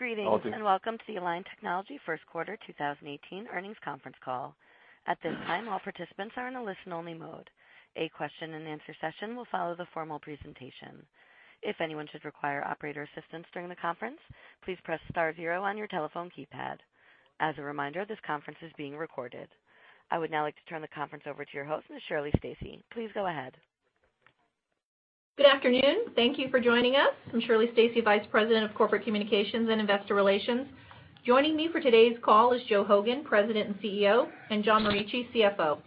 Greetings and welcome to the Align Technology first quarter 2018 earnings conference call. At this time, all participants are in a listen-only mode. A question and answer session will follow the formal presentation. If anyone should require operator assistance during the conference, please press star zero on your telephone keypad. As a reminder, this conference is being recorded. I would now like to turn the conference over to your host, Ms. Shirley Stacy. Please go ahead. Good afternoon. Thank you for joining us. I'm Shirley Stacy, Vice President of Corporate Communications and Investor Relations. Joining me for today's call is Joe Hogan, President and CEO, and John Morici, CFO.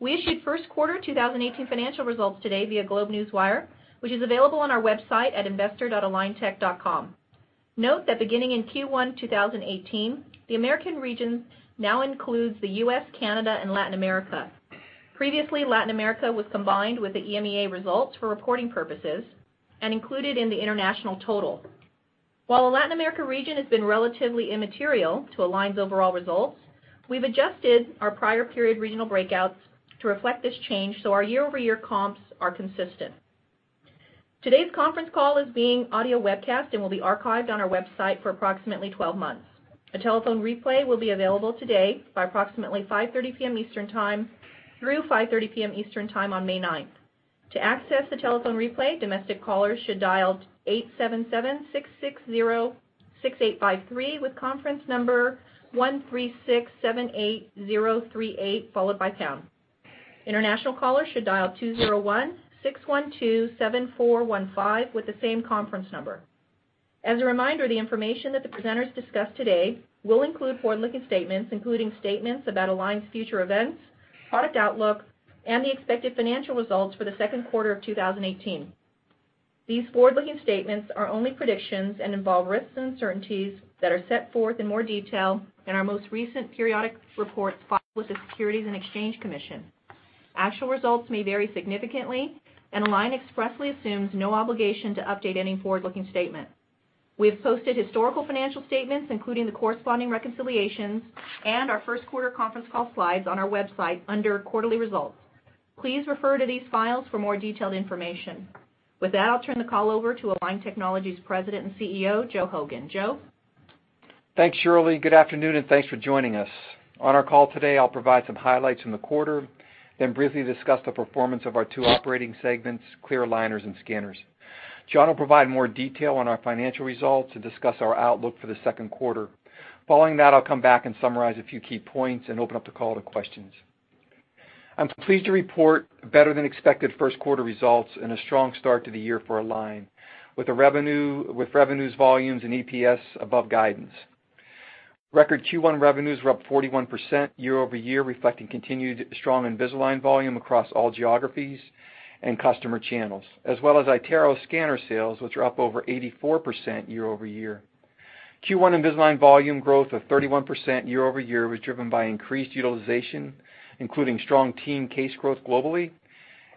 We issued first quarter 2018 financial results today via GlobeNewswire, which is available on our website at investor.aligntech.com. Note that beginning in Q1 2018, the American region now includes the U.S., Canada, and Latin America. Previously, Latin America was combined with the EMEA results for reporting purposes and included in the international total. While the Latin America region has been relatively immaterial to Align's overall results, we've adjusted our prior period regional breakouts to reflect this change so our year-over-year comps are consistent. Today's conference call is being audio webcast and will be archived on our website for approximately 12 months. A telephone replay will be available today by approximately 5:30 P.M. Eastern Time through 5:30 P.M. Eastern Time on May 9th. To access the telephone replay, domestic callers should dial 877-660-6853 with conference number 13678038 followed by pound. International callers should dial 201-612-7415 with the same conference number. As a reminder, the information that the presenters discuss today will include forward-looking statements, including statements about Align's future events, product outlook, and the expected financial results for the second quarter of 2018. These forward-looking statements are only predictions and involve risks and uncertainties that are set forth in more detail in our most recent periodic reports filed with the Securities and Exchange Commission. Actual results may vary significantly, Align expressly assumes no obligation to update any forward-looking statement. We have posted historical financial statements, including the corresponding reconciliations and our first quarter conference call slides on our website under quarterly results. Please refer to these files for more detailed information. With that, I'll turn the call over to Align Technology's President and CEO, Joe Hogan. Joe? Thanks, Shirley. Good afternoon, and thanks for joining us. On our call today, I'll provide some highlights from the quarter, then briefly discuss the performance of our two operating segments, clear aligners and scanners. John will provide more detail on our financial results and discuss our outlook for the second quarter. Following that, I'll come back and summarize a few key points and open up the call to questions. I'm pleased to report better-than-expected first quarter results and a strong start to the year for Align. With revenues, volumes, and EPS above guidance. Record Q1 revenues were up 41% year-over-year, reflecting continued strong Invisalign volume across all geographies and customer channels, as well as iTero scanner sales, which are up over 84% year-over-year. Q1 Invisalign volume growth of 31% year-over-year was driven by increased utilization, including strong Invisalign Teen case growth globally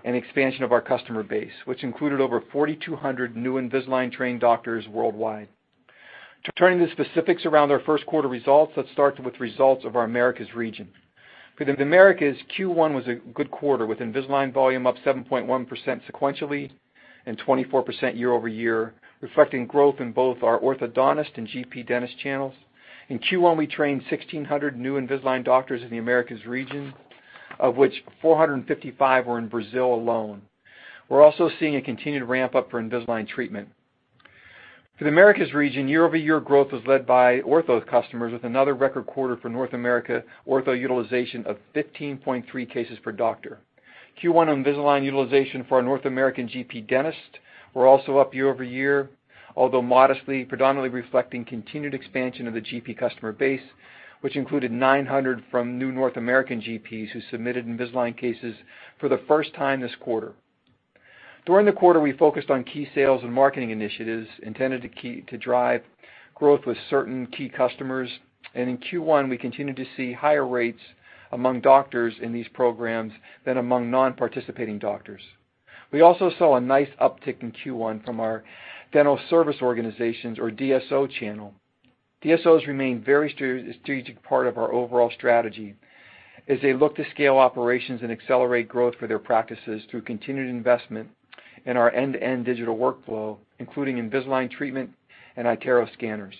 and expansion of our customer base, which included over 4,200 new Invisalign-trained doctors worldwide. Turning to specifics around our first quarter results, let's start with results of our Americas region. For the Americas, Q1 was a good quarter, with Invisalign volume up 7.1% sequentially and 24% year-over-year, reflecting growth in both our orthodontist and GP dentist channels. In Q1, we trained 1,600 new Invisalign doctors in the Americas region, of which 455 were in Brazil alone. We're also seeing a continued ramp-up for Invisalign treatment. For the Americas region, year-over-year growth was led by ortho customers with another record quarter for North America ortho utilization of 15.3 cases per doctor. Q1 Invisalign utilization for our North American GP dentists were also up year-over-year, although modestly, predominantly reflecting continued expansion of the GP customer base, which included 900 from new North American GPs who submitted Invisalign cases for the first time this quarter. During the quarter, we focused on key sales and marketing initiatives intended to drive growth with certain key customers. In Q1, we continued to see higher rates among doctors in these programs than among non-participating doctors. We also saw a nice uptick in Q1 from our Dental Service Organizations or DSO channel. DSOs remain very strategic part of our overall strategy as they look to scale operations and accelerate growth for their practices through continued investment in our end-to-end digital workflow, including Invisalign treatment and iTero scanners.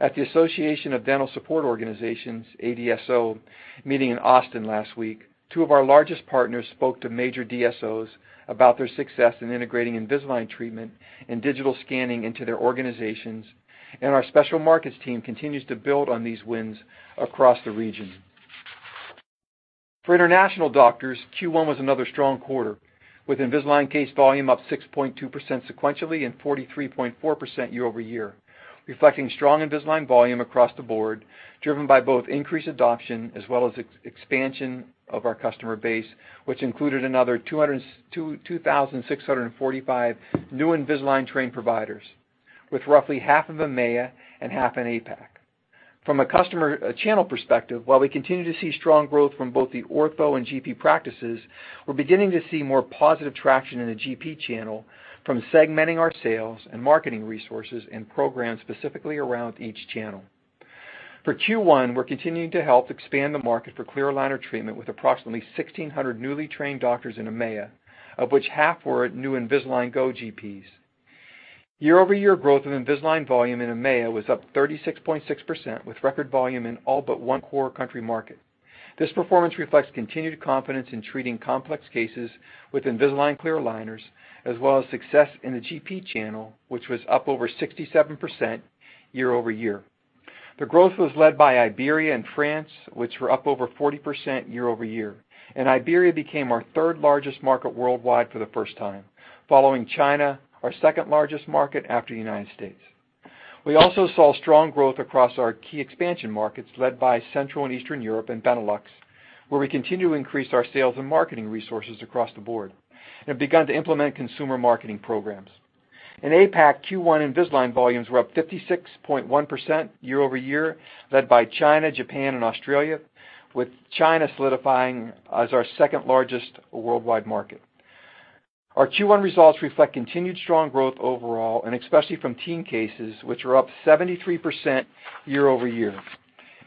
At the Association of Dental Support Organizations, ADSO, meeting in Austin last week, two of our largest partners spoke to major DSOs about their success in integrating Invisalign treatment and digital scanning into their organizations. Our special markets team continues to build on these wins across the region. For international doctors, Q1 was another strong quarter, with Invisalign case volume up 6.2% sequentially and 43.4% year-over-year, reflecting strong Invisalign volume across the board, driven by both increased adoption as well as expansion of our customer base, which included another 2,645 new Invisalign-trained providers, with roughly half of EMEA and half in APAC. From a channel perspective, while we continue to see strong growth from both the ortho and GP practices, we're beginning to see more positive traction in the GP channel from segmenting our sales and marketing resources and programs specifically around each channel. For Q1, we're continuing to help expand the market for clear aligner treatment with approximately 1,600 newly trained doctors in EMEA, of which half were new Invisalign Go GPs. Year-over-year growth of Invisalign volume in EMEA was up 36.6%, with record volume in all but one core country market. This performance reflects continued confidence in treating complex cases with Invisalign clear aligners, as well as success in the GP channel, which was up over 67% year-over-year. The growth was led by Iberia and France, which were up over 40% year-over-year, and Iberia became our third largest market worldwide for the first time, following China, our second largest market after the United States. We also saw strong growth across our key expansion markets led by Central and Eastern Europe and Benelux, where we continue to increase our sales and marketing resources across the board and have begun to implement consumer marketing programs. In APAC, Q1 Invisalign volumes were up 56.1% year-over-year, led by China, Japan, and Australia, with China solidifying as our second largest worldwide market. Our Q1 results reflect continued strong growth overall and especially from teen cases, which were up 73% year-over-year.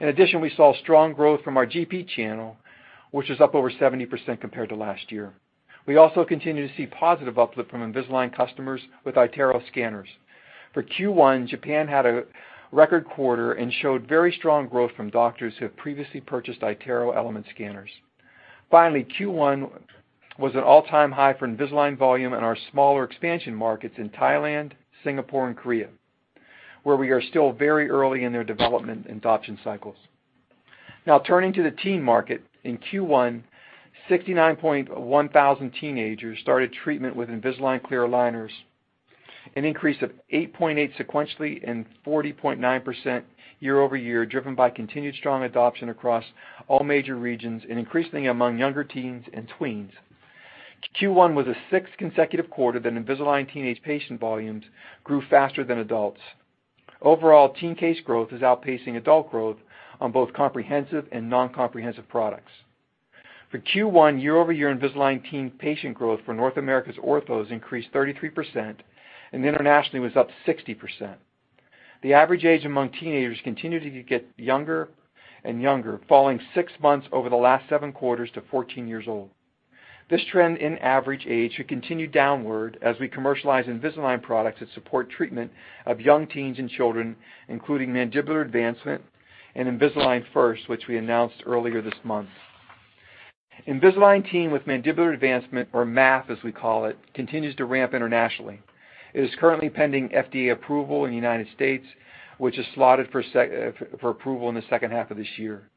In addition, we saw strong growth from our GP channel, which is up over 70% compared to last year. We also continue to see positive uplift from Invisalign customers with iTero scanners. For Q1, Japan had a record quarter and showed very strong growth from doctors who have previously purchased iTero Element scanners. Finally, Q1 was an all-time high for Invisalign volume in our smaller expansion markets in Thailand, Singapore, and Korea, where we are still very early in their development and adoption cycles. Now turning to the teen market. In Q1, 69.1 thousand teenagers started treatment with Invisalign clear aligners, an increase of 8.8 sequentially and 40.9% year-over-year, driven by continued strong adoption across all major regions and increasingly among younger teens and tweens. Q1 was the sixth consecutive quarter that Invisalign teenage patient volumes grew faster than adults. Overall, teen case growth is outpacing adult growth on both comprehensive and non-comprehensive products. For Q1, year-over-year Invisalign teen patient growth for North America's orthos increased 33%, and internationally was up 60%. The average age among teenagers continue to get younger and younger, falling six months over the last seven quarters to 14 years old. This trend in average age should continue downward as we commercialize Invisalign products that support treatment of young teens and children, including mandibular advancement and Invisalign First, which we announced earlier this month. Invisalign teen with mandibular advancement, or MA, as we call it, continues to ramp internationally. It is currently pending FDA approval in the United States, which is slotted for approval in the second half of this year.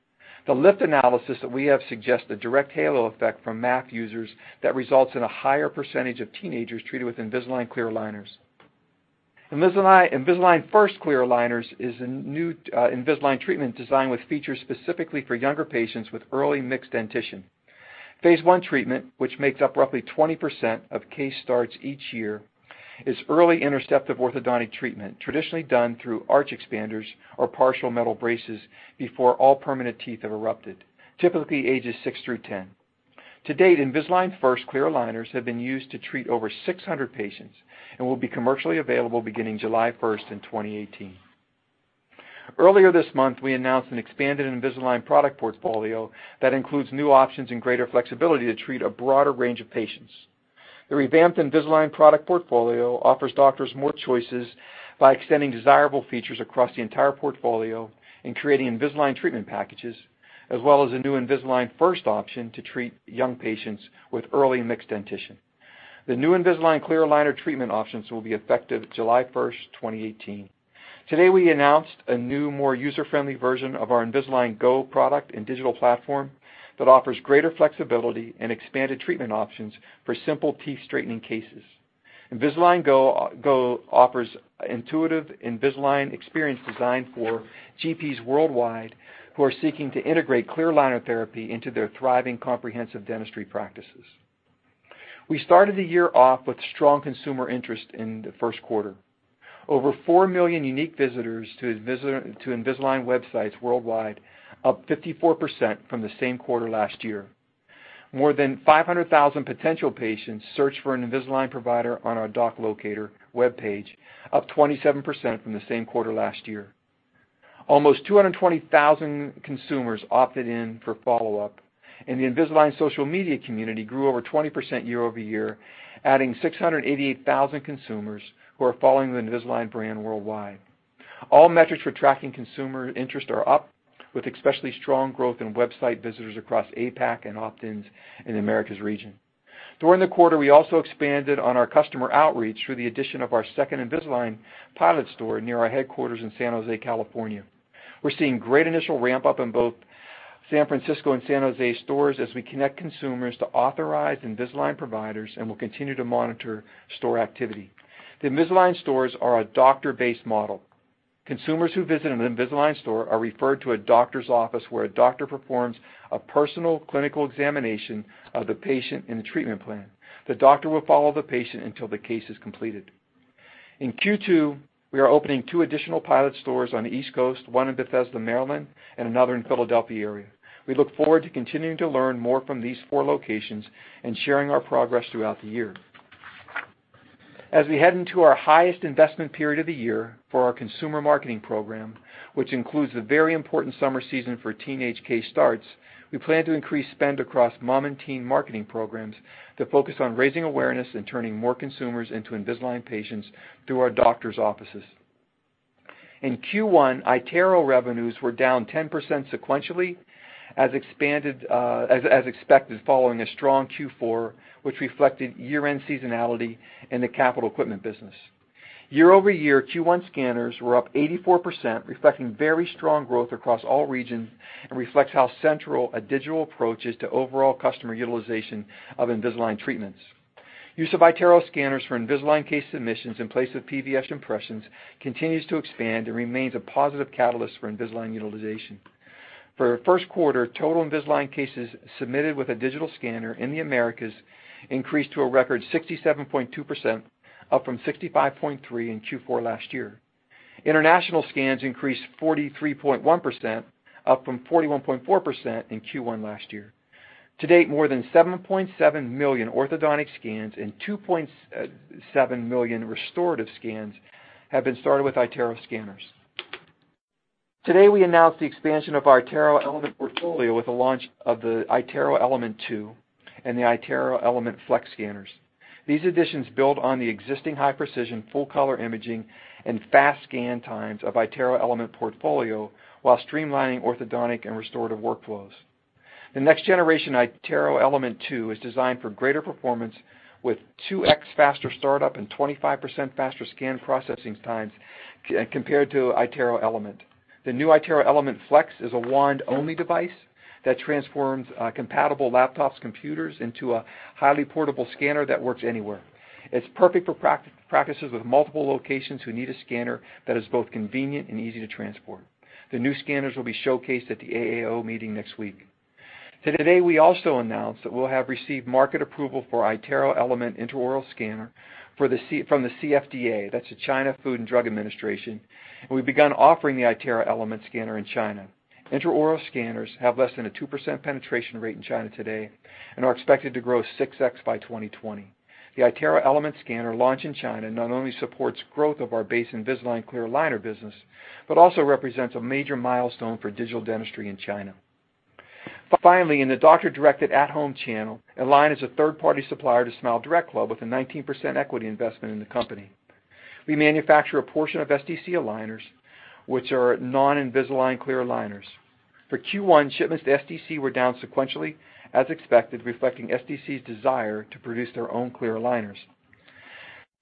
The lift analysis that we have suggests the direct halo effect from MA users that results in a higher percentage of teenagers treated with Invisalign clear aligners. Invisalign First clear aligners is a new Invisalign treatment designed with features specifically for younger patients with early mixed dentition. Phase 1 treatment, which makes up roughly 20% of case starts each year, is early interceptive orthodontic treatment traditionally done through arch expanders or partial metal braces before all permanent teeth have erupted, typically ages 6 through 10. To date, Invisalign First clear aligners have been used to treat over 600 patients and will be commercially available beginning July 1st, 2018. Earlier this month, we announced an expanded Invisalign product portfolio that includes new options and greater flexibility to treat a broader range of patients. The revamped Invisalign product portfolio offers doctors more choices by extending desirable features across the entire portfolio and creating Invisalign treatment packages, as well as a new Invisalign First option to treat young patients with early mixed dentition. The new Invisalign clear aligner treatment options will be effective July 1st, 2018. Today, we announced a new, more user-friendly version of our Invisalign Go product and digital platform that offers greater flexibility and expanded treatment options for simple teeth straightening cases. Invisalign Go offers intuitive Invisalign experience designed for GPs worldwide who are seeking to integrate clear aligner therapy into their thriving comprehensive dentistry practices. We started the year off with strong consumer interest in the first quarter. Over four million unique visitors to Invisalign websites worldwide, up 54% year-over-year. More than 500,000 potential patients searched for an Invisalign provider on our doc locator webpage, up 27% year-over-year. Almost 220,000 consumers opted in for follow-up. The Invisalign social media community grew over 20% year-over-year, adding 688,000 consumers who are following the Invisalign brand worldwide. All metrics for tracking consumer interest are up, with especially strong growth in website visitors across APAC and opt-ins in Americas region. During the quarter, we also expanded on our customer outreach through the addition of our second Invisalign pilot store near our headquarters in San Jose, California. We're seeing great initial ramp-up in both San Francisco and San Jose stores as we connect consumers to authorized Invisalign providers and will continue to monitor store activity. The Invisalign stores are a doctor-based model. Consumers who visit an Invisalign store are referred to a doctor's office, where a doctor performs a personal clinical examination of the patient and the treatment plan. The doctor will follow the patient until the case is completed. In Q2, we are opening two additional pilot stores on the East Coast, one in Bethesda, Maryland, and another in Philadelphia area. We look forward to continuing to learn more from these four locations and sharing our progress throughout the year. As we head into our highest investment period of the year for our consumer marketing program, which includes the very important summer season for teenage case starts, we plan to increase spend across mom and teen marketing programs to focus on raising awareness and turning more consumers into Invisalign patients through our doctors' offices. In Q1, iTero revenues were down 10% sequentially, as expected following a strong Q4, which reflected year-end seasonality in the capital equipment business. Year-over-year, Q1 scanners were up 84%, reflecting very strong growth across all regions and reflects how central a digital approach is to overall customer utilization of Invisalign treatments. Use of iTero scanners for Invisalign case submissions in place of PVS impressions continues to expand and remains a positive catalyst for Invisalign utilization. For our first quarter, total Invisalign cases submitted with a digital scanner in the Americas increased to a record 67.2%, up from 65.3% in Q4 last year. International scans increased 43.1%, up from 41.4% in Q1 last year. To date, more than 7.7 million orthodontic scans and 2.7 million restorative scans have been started with iTero scanners. Today, we announced the expansion of our iTero Element portfolio with the launch of the iTero Element 2 and the iTero Element Flex scanners. These additions build on the existing high-precision, full-color imaging, and fast scan times of iTero Element portfolio while streamlining orthodontic and restorative workflows. The next generation iTero Element 2 is designed for greater performance with 2X faster startup and 25% faster scan processing times compared to iTero Element. The new iTero Element Flex is a wand-only device that transforms compatible laptops, computers into a highly portable scanner that works anywhere. It's perfect for practices with multiple locations who need a scanner that is both convenient and easy to transport. The new scanners will be showcased at the AAO meeting next week. Today, we also announced that we'll have received market approval for iTero Element intraoral scanner from the CFDA. That's the China Food and Drug Administration. We've begun offering the iTero Element scanner in China. Intraoral scanners have less than a 2% penetration rate in China today and are expected to grow 6X by 2020. The iTero Element scanner launch in China not only supports growth of our base Invisalign clear aligner business, but also represents a major milestone for digital dentistry in China. Finally, in the doctor-directed at-home channel, Align is a third-party supplier to SmileDirectClub with a 19% equity investment in the company. We manufacture a portion of SDC aligners, which are non-Invisalign clear aligners. For Q1, shipments to SDC were down sequentially, as expected, reflecting SDC's desire to produce their own clear aligners.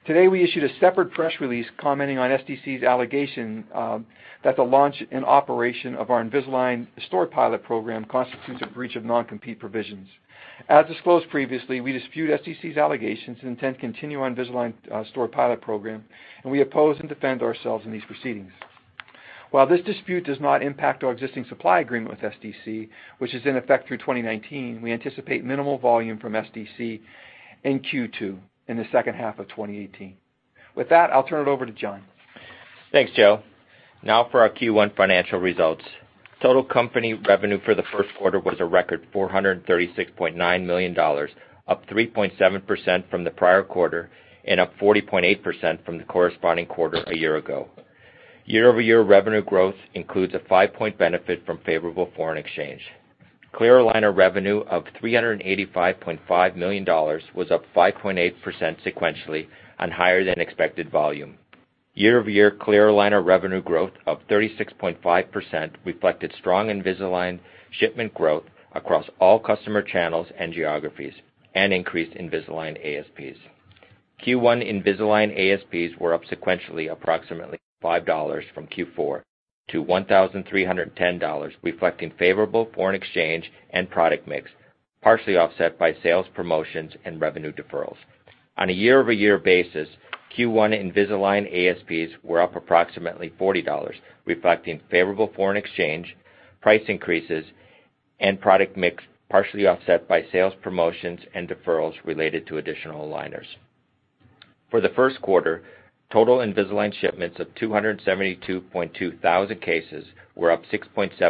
Today, we issued a separate press release commenting on SDC's allegation that the launch and operation of our Invisalign store pilot program constitutes a breach of non-compete provisions. As disclosed previously, we dispute SDC's allegations and intend to continue our Invisalign store pilot program. We oppose and defend ourselves in these proceedings. While this dispute does not impact our existing supply agreement with SDC, which is in effect through 2019, we anticipate minimal volume from SDC in Q2 in the second half of 2018. With that, I'll turn it over to John. Thanks, Joe. Now for our Q1 financial results. Total company revenue for the first quarter was a record $436.9 million, up 3.7% from the prior quarter and up 40.8% from the corresponding quarter a year ago. Year-over-year revenue growth includes a five-point benefit from favorable foreign exchange. Clear aligner revenue of $385.5 million was up 5.8% sequentially on higher-than-expected volume. Year-over-year clear aligner revenue growth of 36.5% reflected strong Invisalign shipment growth across all customer channels and geographies and increased Invisalign ASPs. Q1 Invisalign ASPs were up sequentially approximately $5 from Q4 to $1,310, reflecting favorable foreign exchange and product mix, partially offset by sales promotions and revenue deferrals. On a year-over-year basis, Q1 Invisalign ASPs were up approximately $40, reflecting favorable foreign exchange, price increases, and product mix, partially offset by sales promotions and deferrals related to additional aligners. For the first quarter, total Invisalign shipments of 272,200 cases were up 6.7%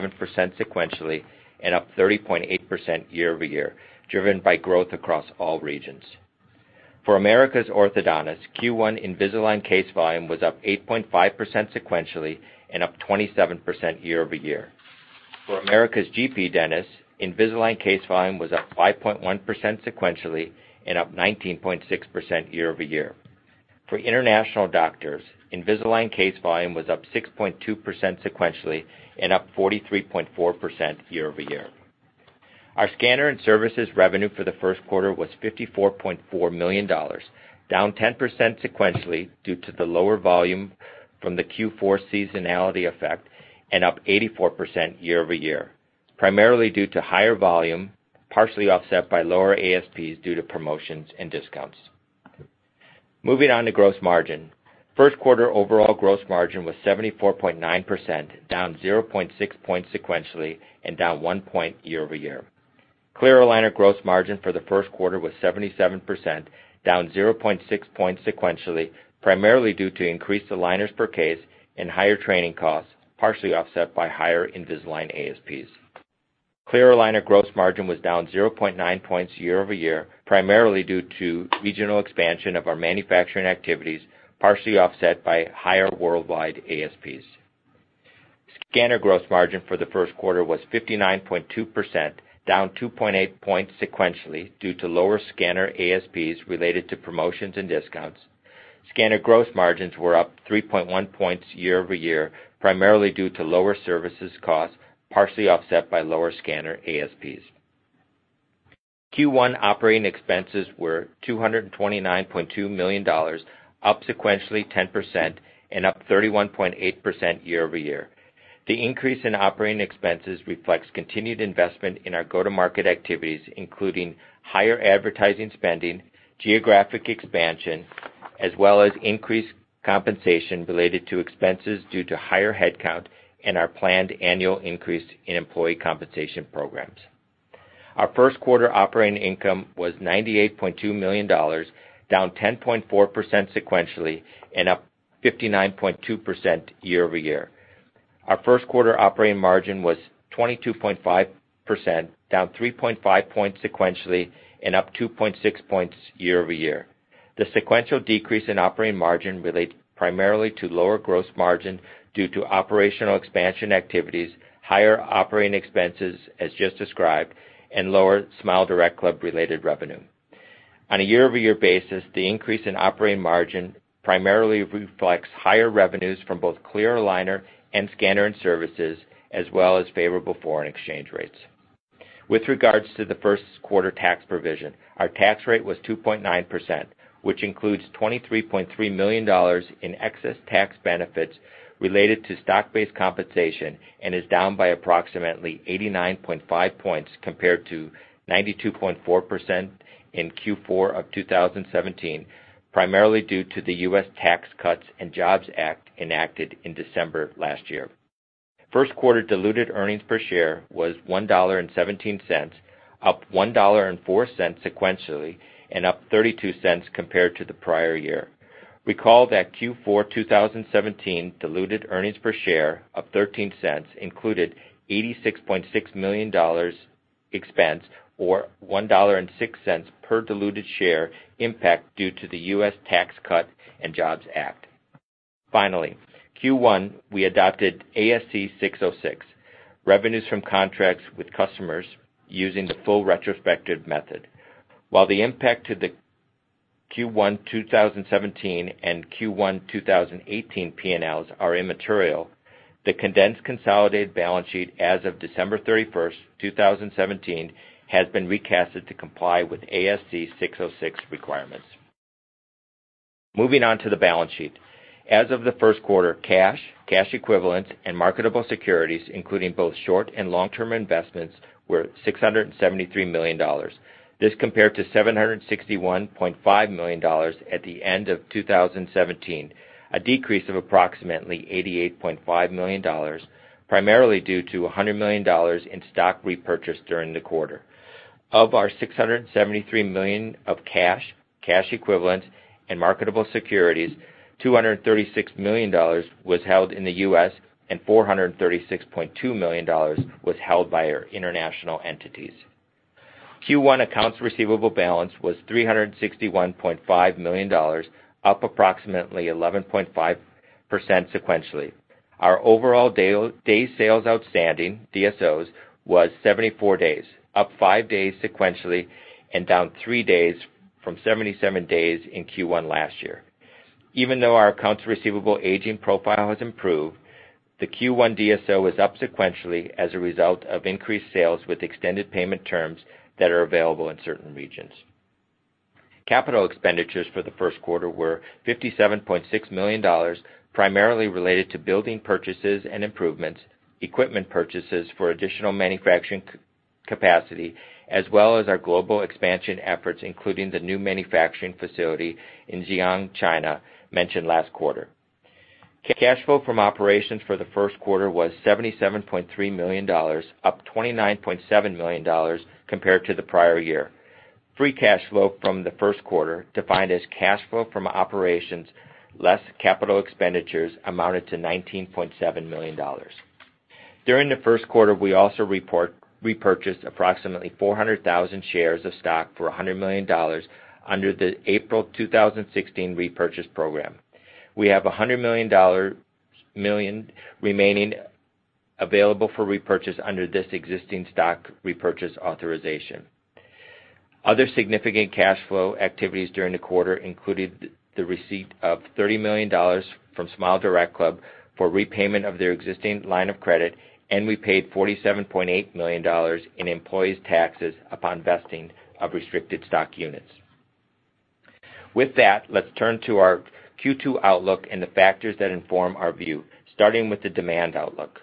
sequentially and up 30.8% year-over-year, driven by growth across all regions. For America's orthodontists, Q1 Invisalign case volume was up 8.5% sequentially and up 27% year-over-year. For America's GP dentists, Invisalign case volume was up 5.1% sequentially and up 19.6% year-over-year. For international doctors, Invisalign case volume was up 6.2% sequentially and up 43.4% year-over-year. Our scanner and services revenue for the first quarter was $54.4 million, down 10% sequentially due to the lower volume from the Q4 seasonality effect, and up 84% year-over-year, primarily due to higher volume, partially offset by lower ASPs due to promotions and discounts. Moving on to gross margin. First quarter overall gross margin was 74.9%, down 0.6 points sequentially and down 1 point year-over-year. Clear aligner gross margin for the first quarter was 77%, down 0.6 points sequentially, primarily due to increased aligners per case and higher training costs, partially offset by higher Invisalign ASPs. Clear aligner gross margin was down 0.9 points year-over-year, primarily due to regional expansion of our manufacturing activities, partially offset by higher worldwide ASPs. Scanner gross margin for the first quarter was 59.2%, down 2.8 points sequentially due to lower scanner ASPs related to promotions and discounts. Scanner gross margins were up 3.1 points year-over-year, primarily due to lower services costs, partially offset by lower scanner ASPs. Q1 operating expenses were $229.2 million, up sequentially 10% and up 31.8% year-over-year. The increase in operating expenses reflects continued investment in our go-to-market activities, including higher advertising spending, geographic expansion, as well as increased compensation related to expenses due to higher headcount and our planned annual increase in employee compensation programs. Our first quarter operating income was $98.2 million, down 10.4% sequentially and up 59.2% year-over-year. Our first quarter operating margin was 22.5%, down 3.5 points sequentially and up 2.6 points year-over-year. The sequential decrease in operating margin relates primarily to lower gross margin due to operational expansion activities, higher operating expenses as just described, and lower SmileDirectClub related revenue. On a year-over-year basis, the increase in operating margin primarily reflects higher revenues from both clear aligner and scanner and services, as well as favorable foreign exchange rates. With regards to the first quarter tax provision, our tax rate was 2.9%, which includes $23.3 million in excess tax benefits related to stock-based compensation and is down by approximately 89.5 points compared to 92.4% in Q4 of 2017, primarily due to the U.S. Tax Cuts and Jobs Act enacted in December last year. First quarter diluted earnings per share was $1.17, up $1.04 sequentially and up $0.32 compared to the prior year. Recall that Q4 2017 diluted earnings per share of $0.13 included $86.6 million expense or $1.06 per diluted share impact due to the U.S. Tax Cut and Jobs Act. Finally, Q1, we adopted ASC 606, revenues from contracts with customers using the full retrospective method. While the impact to the Q1 2017 and Q1 2018 P&Ls are immaterial, the condensed consolidated balance sheet as of December 31st, 2017, has been recasted to comply with ASC 606 requirements. Moving on to the balance sheet. As of the first quarter, cash equivalents, and marketable securities, including both short and long-term investments, were $673 million. This compared to $761.5 million at the end of 2017, a decrease of approximately $88.5 million, primarily due to $100 million in stock repurchase during the quarter. Of our $673 million of cash equivalents, and marketable securities, $236 million was held in the U.S., and $436.2 million was held by our international entities. Q1 accounts receivable balance was $361.5 million, up approximately 11.5% sequentially. Our overall day sales outstanding, DSOs, was 74 days, up five days sequentially and down three days from 77 days in Q1 last year. Even though our accounts receivable aging profile has improved, the Q1 DSO is up sequentially as a result of increased sales with extended payment terms that are available in certain regions. Capital expenditures for the first quarter were $57.6 million, primarily related to building purchases and improvements, equipment purchases for additional manufacturing capacity, as well as our global expansion efforts, including the new manufacturing facility in Ziyang, China, mentioned last quarter. Cash flow from operations for the first quarter was $77.3 million, up $29.7 million compared to the prior year. Free cash flow from the first quarter, defined as cash flow from operations less capital expenditures, amounted to $19.7 million. During the first quarter, we also repurchased approximately 400,000 shares of stock for $100 million under the April 2016 repurchase program. We have $100 million remaining available for repurchase under this existing stock repurchase authorization. Other significant cash flow activities during the quarter included the receipt of $30 million from SmileDirectClub for repayment of their existing line of credit, and we paid $47.8 million in employees' taxes upon vesting of restricted stock units. Let's turn to our Q2 outlook and the factors that inform our view, starting with the demand outlook.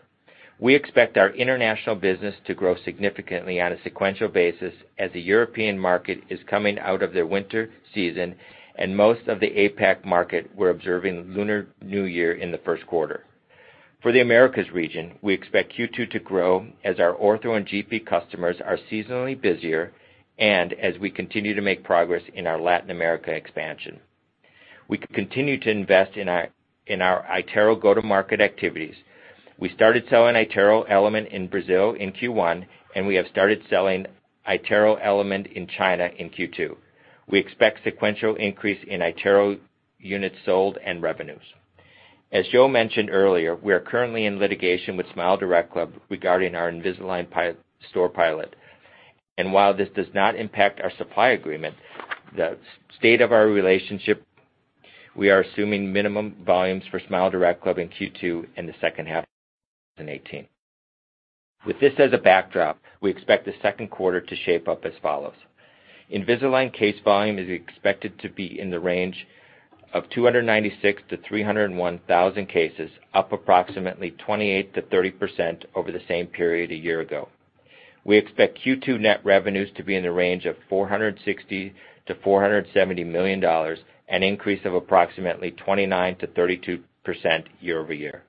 We expect our international business to grow significantly on a sequential basis as the European market is coming out of their winter season and most of the APAC market were observing Lunar New Year in the first quarter. For the Americas region, we expect Q2 to grow as our ortho and GP customers are seasonally busier and as we continue to make progress in our Latin America expansion. We continue to invest in our iTero go-to-market activities. We started selling iTero Element in Brazil in Q1, and we have started selling iTero Element in China in Q2. We expect sequential increase in iTero units sold and revenues. As Joe mentioned earlier, we are currently in litigation with SmileDirectClub regarding our Invisalign store pilot. While this does not impact our supply agreement, the state of our relationship, we are assuming minimum volumes for SmileDirectClub in Q2 and the second half of 2018. With this as a backdrop, we expect the second quarter to shape up as follows. Invisalign case volume is expected to be in the range of 296,000 to 301,000 cases, up approximately 28%-30% over the same period a year ago. We expect Q2 net revenues to be in the range of $460 million-$470 million, an increase of approximately 29%-32% year-over-year.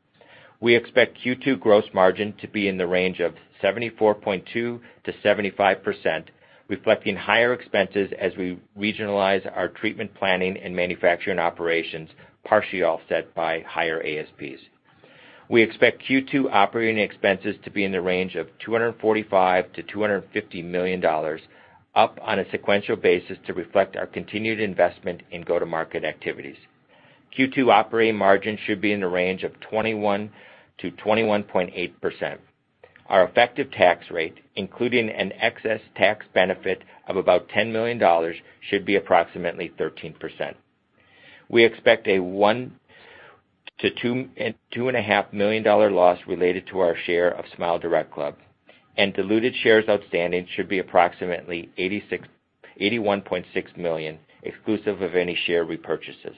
We expect Q2 gross margin to be in the range of 74.2%-75%, reflecting higher expenses as we regionalize our treatment planning and manufacturing operations, partially offset by higher ASPs. We expect Q2 operating expenses to be in the range of $245 million-$250 million, up on a sequential basis to reflect our continued investment in go-to-market activities. Q2 operating margin should be in the range of 21%-21.8%. Our effective tax rate, including an excess tax benefit of about $10 million, should be approximately 13%. We expect a $1 million-$2.5 million loss related to our share of SmileDirectClub, and diluted shares outstanding should be approximately 81.6 million, exclusive of any share repurchases.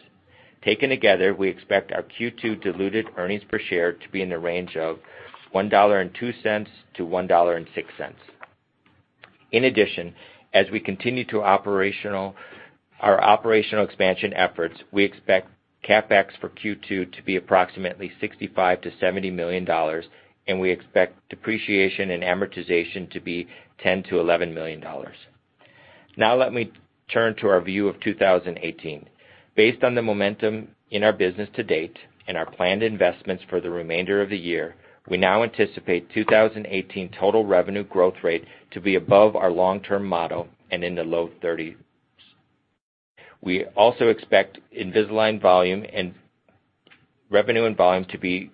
Taken together, we expect our Q2 diluted earnings per share to be in the range of $1.02-$1.06. In addition, as we continue our operational expansion efforts, we expect CapEx for Q2 to be approximately $65 million-$70 million, and we expect depreciation and amortization to be $10 million-$11 million. Now let me turn to our view of 2018. Based on the momentum in our business to date and our planned investments for the remainder of the year, we now anticipate 2018 total revenue growth rate to be above our long-term model and in the low 30s. We also expect Invisalign revenue and volume to be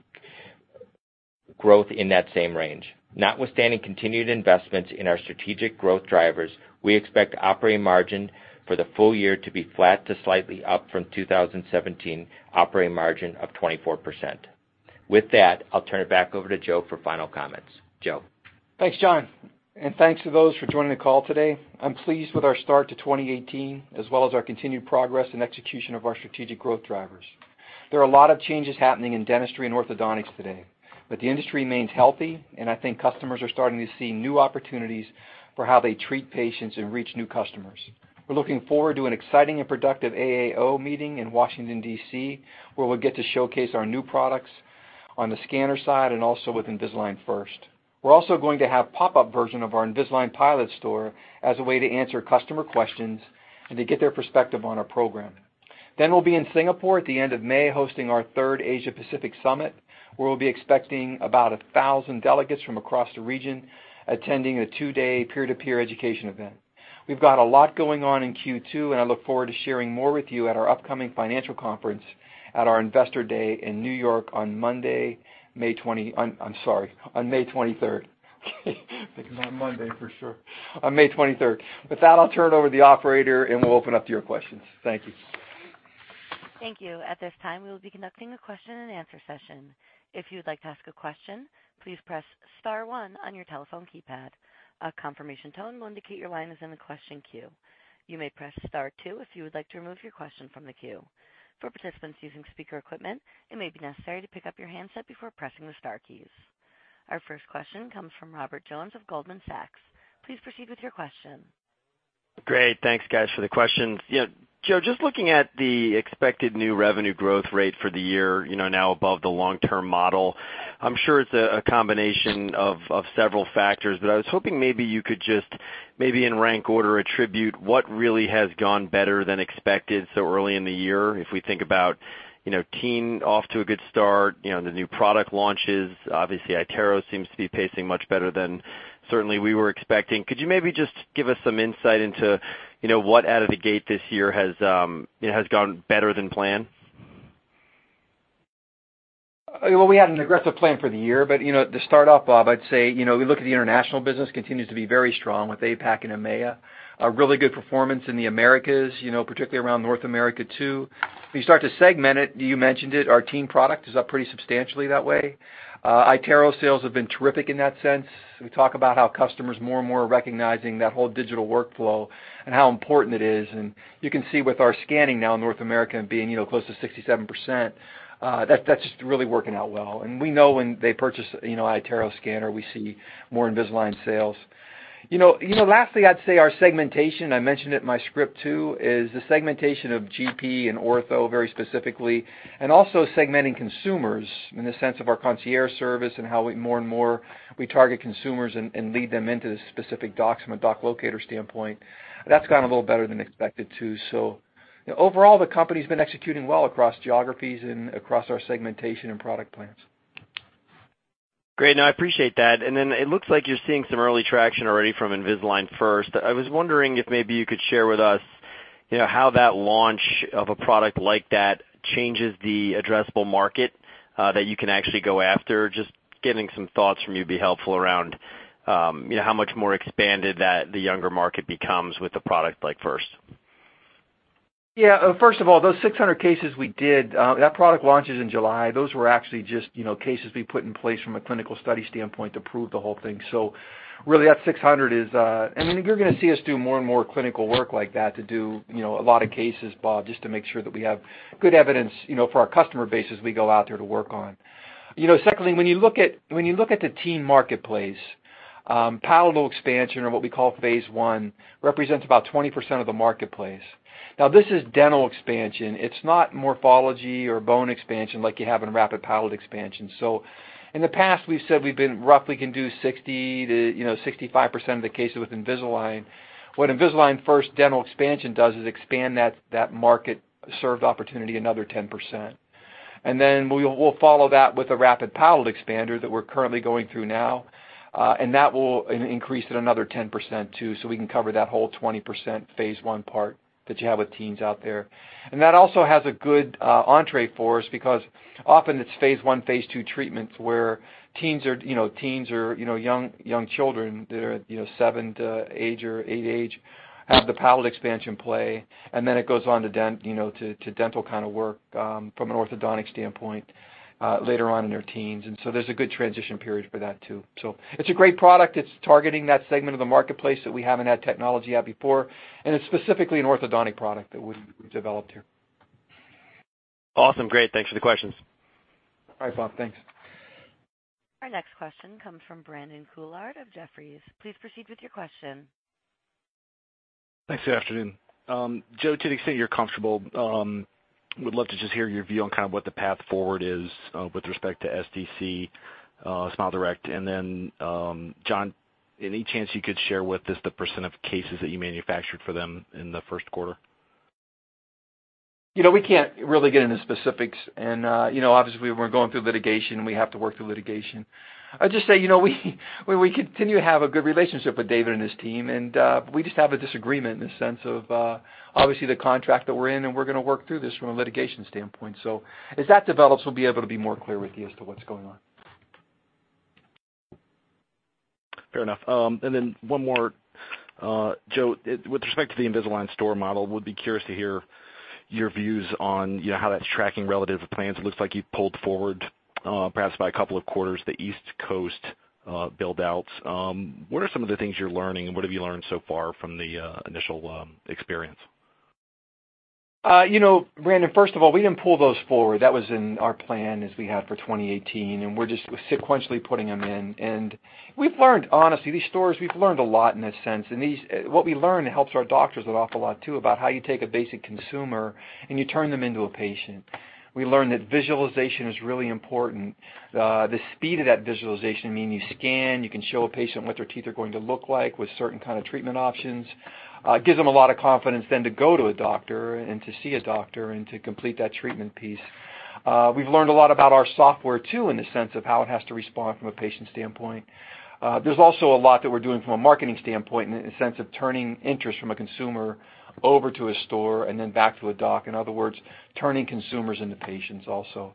growth in that same range. Notwithstanding continued investments in our strategic growth drivers, we expect operating margin for the full year to be flat to slightly up from 2017 operating margin of 24%. With that, I'll turn it back over to Joe for final comments. Joe? Thanks, John, and thanks to those for joining the call today. I'm pleased with our start to 2018, as well as our continued progress and execution of our strategic growth drivers. There are a lot of changes happening in dentistry and orthodontics today, but the industry remains healthy, and I think customers are starting to see new opportunities for how they treat patients and reach new customers. We're looking forward to an exciting and productive AAO meeting in Washington, D.C., where we'll get to showcase our new products on the scanner side and also with Invisalign First. We're also going to have pop-up version of our Invisalign pilot store as a way to answer customer questions and to get their perspective on our program. Then we'll be in Singapore at the end of May, hosting our third Asia Pacific Summit, where we'll be expecting about 1,000 delegates from across the region attending a two-day peer-to-peer education event. We've got a lot going on in Q2, and I look forward to sharing more with you at our upcoming financial conference at our Investor Day in New York on Monday, May 20. I'm sorry, on May 23rd. It's not Monday, for sure. On May 23rd. With that, I'll turn it over to the operator, and we'll open up to your questions. Thank you. Thank you. At this time, we will be conducting a question and answer session. If you'd like to ask a question, please press *1 on your telephone keypad. A confirmation tone will indicate your line is in the question queue. You may press *2 if you would like to remove your question from the queue. For participants using speaker equipment, it may be necessary to pick up your handset before pressing the star keys. Our first question comes from Robert Jones of Goldman Sachs. Please proceed with your question. Great. Thanks, guys, for the questions. Joe, just looking at the expected new revenue growth rate for the year, now above the long-term model, I'm sure it's a combination of several factors, but I was hoping maybe you could just, maybe in rank order, attribute what really has gone better than expected so early in the year. If we think about Teen off to a good start, the new product launches, obviously iTero seems to be pacing much better than certainly we were expecting. Could you maybe just give us some insight into what out of the gate this year has gone better than planned? We had an aggressive plan for the year, but to start off, Bob, I'd say, if we look at the international business, continues to be very strong with APAC and EMEA. A really good performance in the Americas, particularly around North America too. If you start to segment it, you mentioned it, our Teen product is up pretty substantially that way. iTero sales have been terrific in that sense. We talk about how customers more and more are recognizing that whole digital workflow and how important it is. You can see with our scanning now in North America being close to 67%, that's just really working out well. We know when they purchase iTero scanner, we see more Invisalign sales. Lastly, I'd say our segmentation, I mentioned it in my script too, is the segmentation of GP and ortho very specifically, and also segmenting consumers in the sense of our concierge service and how more and more we target consumers and lead them into the specific docs from a doc locator standpoint. That's gone a little better than expected, too. Overall, the company's been executing well across geographies and across our segmentation and product plans. Great. No, I appreciate that. It looks like you're seeing some early traction already from Invisalign First. I was wondering if maybe you could share with us, how that launch of a product like that changes the addressable market that you can actually go after. Just getting some thoughts from you would be helpful around, how much more expanded that the younger market becomes with a product like First. First of all, those 600 cases we did, that product launches in July. Those were actually just cases we put in place from a clinical study standpoint to prove the whole thing. Really, that 600 is and you're going to see us do more and more clinical work like that to do a lot of cases, Bob, just to make sure that we have good evidence for our customer base as we go out there to work on. Secondly, when you look at the teen marketplace, palatal expansion, or what we call Phase I, represents about 20% of the marketplace. Now, this is dental expansion. It's not morphology or bone expansion like you have in rapid palatal expansion. In the past, we've said we roughly can do 60%-65% of the cases with Invisalign. What Invisalign First dental expansion does is expand that market-served opportunity another 10%. We'll follow that with a rapid palatal expander that we're currently going through now, and that will increase it another 10%, too, so we can cover that whole 20% Phase I part that you have with teens out there. That also has a good entrée for us, because often it's Phase I, Phase II treatments where teens or young children that are seven to eight age, have the palatal expansion play, and then it goes on to dental kind of work, from an orthodontic standpoint, later on in their teens. There's a good transition period for that, too. It's a great product. It's targeting that segment of the marketplace that we haven't had technology at before, and it's specifically an orthodontic product that we've developed here. Awesome. Great. Thanks for the questions. All right, Bob. Thanks. Our next question comes from Brandon Couillard of Jefferies. Please proceed with your question. Thanks. Good afternoon. Joe, to the extent you're comfortable, would love to just hear your view on what the path forward is with respect to SDC, SmileDirect. John, any chance you could share with us the % of cases that you manufactured for them in the first quarter? We can't really get into specifics, and obviously, we're going through litigation, and we have to work through litigation. I'd just say, we continue to have a good relationship with David and his team, and we just have a disagreement in the sense of, obviously, the contract that we're in, and we're going to work through this from a litigation standpoint. As that develops, we'll be able to be more clear with you as to what's going on. Fair enough. One more. Joe, with respect to the Invisalign store model, would be curious to hear your views on how that's tracking relative to plans. It looks like you've pulled forward, perhaps by a couple of quarters, the East Coast build-outs. What are some of the things you're learning, and what have you learned so far from the initial experience? Brandon, first of all, we didn't pull those forward. That was in our plan as we had for 2018, and we're just sequentially putting them in. We've learned, honestly, these stores, we've learned a lot in a sense. What we learn helps our doctors an awful lot, too, about how you take a basic consumer and you turn them into a patient. We learned that visualization is really important. The speed of that visualization, meaning you scan, you can show a patient what their teeth are going to look like with certain kind of treatment options, gives them a lot of confidence then to go to a doctor and to see a doctor and to complete that treatment piece. We've learned a lot about our software, too, in the sense of how it has to respond from a patient standpoint. There's also a lot that we're doing from a marketing standpoint in the sense of turning interest from a consumer over to a store and then back to a doc. In other words, turning consumers into patients also.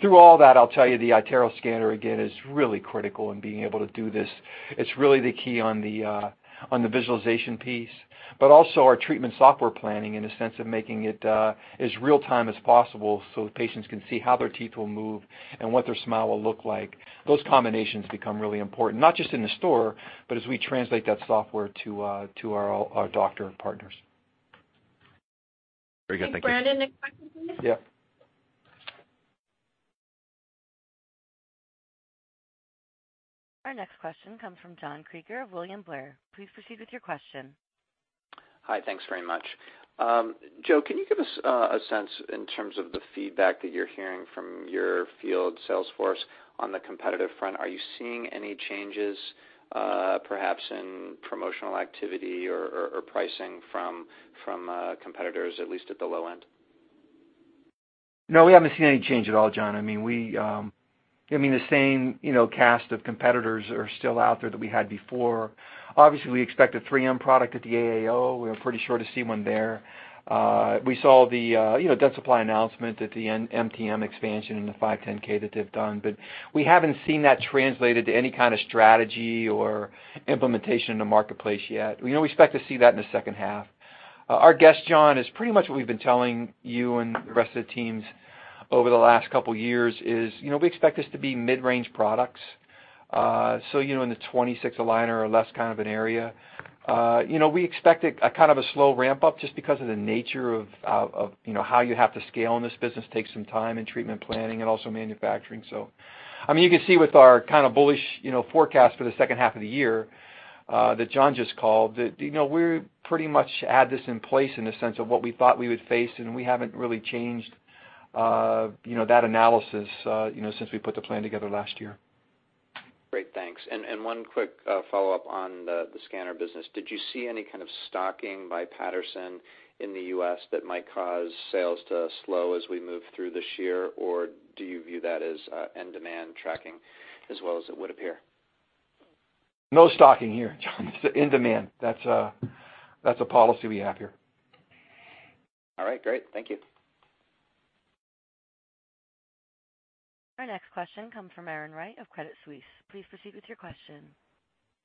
Through all that, I'll tell you, the iTero scanner, again, is really critical in being able to do this. It's really the key on the visualization piece, but also our treatment software planning in the sense of making it as real-time as possible so patients can see how their teeth will move and what their smile will look like. Those combinations become really important, not just in the store, but as we translate that software to our doctor partners. Very good. Thank you. Take Brandon next question, please. Yeah. Our next question comes from Jon Kreger of William Blair. Please proceed with your question. Hi. Thanks very much. Joe, can you give us a sense in terms of the feedback that you're hearing from your field sales force on the competitive front? Are you seeing any changes, perhaps in promotional activity or pricing from competitors, at least at the low end? No, we haven't seen any change at all, Jon. The same cast of competitors are still out there that we had before. Obviously, we expect a 3M product at the AAO. We're pretty sure to see one there. We saw the Dentsply announcement at the MTM expansion and the 510(k) that they've done, but we haven't seen that translated to any kind of strategy or implementation in the marketplace yet. We expect to see that in the second half. Our guess, Jon, is pretty much what we've been telling you and the rest of the teams over the last couple of years is, we expect this to be mid-range products. So in the 26 aligner or less kind of an area. We expect a slow ramp-up just because of the nature of how you have to scale in this business takes some time and treatment planning and also manufacturing. You can see with our bullish forecast for the second half of the year, that John just called, that we pretty much had this in place in the sense of what we thought we would face. We haven't really changed that analysis since we put the plan together last year. Great. Thanks. One quick follow-up on the scanner business. Did you see any kind of stocking by Patterson in the U.S. that might cause sales to slow as we move through this year, or do you view that as end demand tracking as well as it would appear? No stocking here, John. It's in demand. That's a policy we have here. All right, great. Thank you. Our next question comes from Erin Wright of Credit Suisse. Please proceed with your question.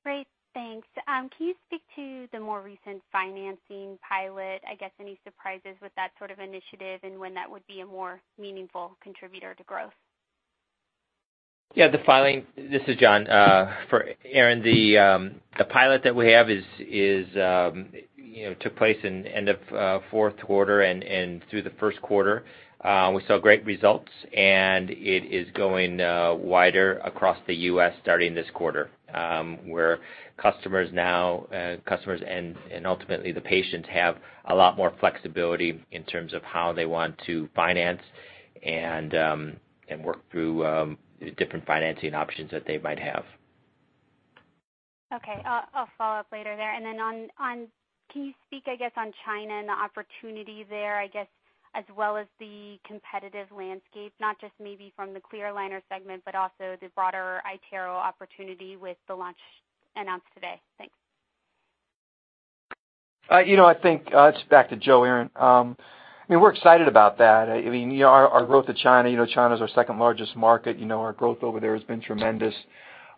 Great. Thanks. Can you speak to the more recent financing pilot, I guess, any surprises with that sort of initiative, and when that would be a more meaningful contributor to growth? Yeah, this is John. For Erin, the pilot that we have took place in end of fourth quarter and through the first quarter. We saw great results, and it is going wider across the U.S. starting this quarter, where customers now, and ultimately the patients, have a lot more flexibility in terms of how they want to finance and work through different financing options that they might have. Okay. I'll follow up later there. Can you speak, I guess, on China and the opportunity there, I guess, as well as the competitive landscape, not just maybe from the clear aligner segment, but also the broader iTero opportunity with the launch announced today? Thanks. It's back to Joe, Erin. We're excited about that. Our growth in China's our second-largest market. Our growth over there has been tremendous.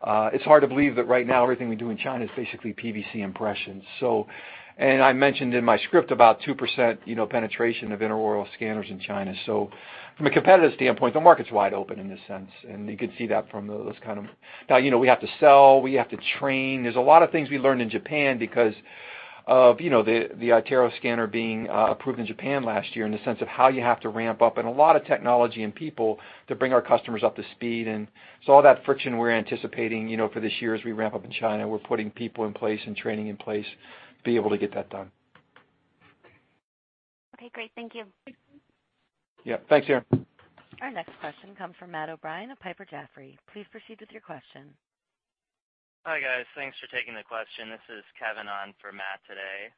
It's hard to believe that right now everything we do in China is basically PVS impressions. I mentioned in my script about 2% penetration of intraoral scanners in China. From a competitive standpoint, the market's wide open in this sense, and you could see that from those kind of. Now, we have to sell, we have to train. There's a lot of things we learned in Japan because of the iTero scanner being approved in Japan last year, in the sense of how you have to ramp up, and a lot of technology and people to bring our customers up to speed. All that friction we're anticipating for this year as we ramp up in China. We're putting people in place and training in place to be able to get that done. Okay, great. Thank you. Yeah. Thanks, Erin. Our next question comes from Matthew O'Brien of Piper Jaffray. Please proceed with your question. Hi, guys. Thanks for taking the question. This is Kevin on for Matt today.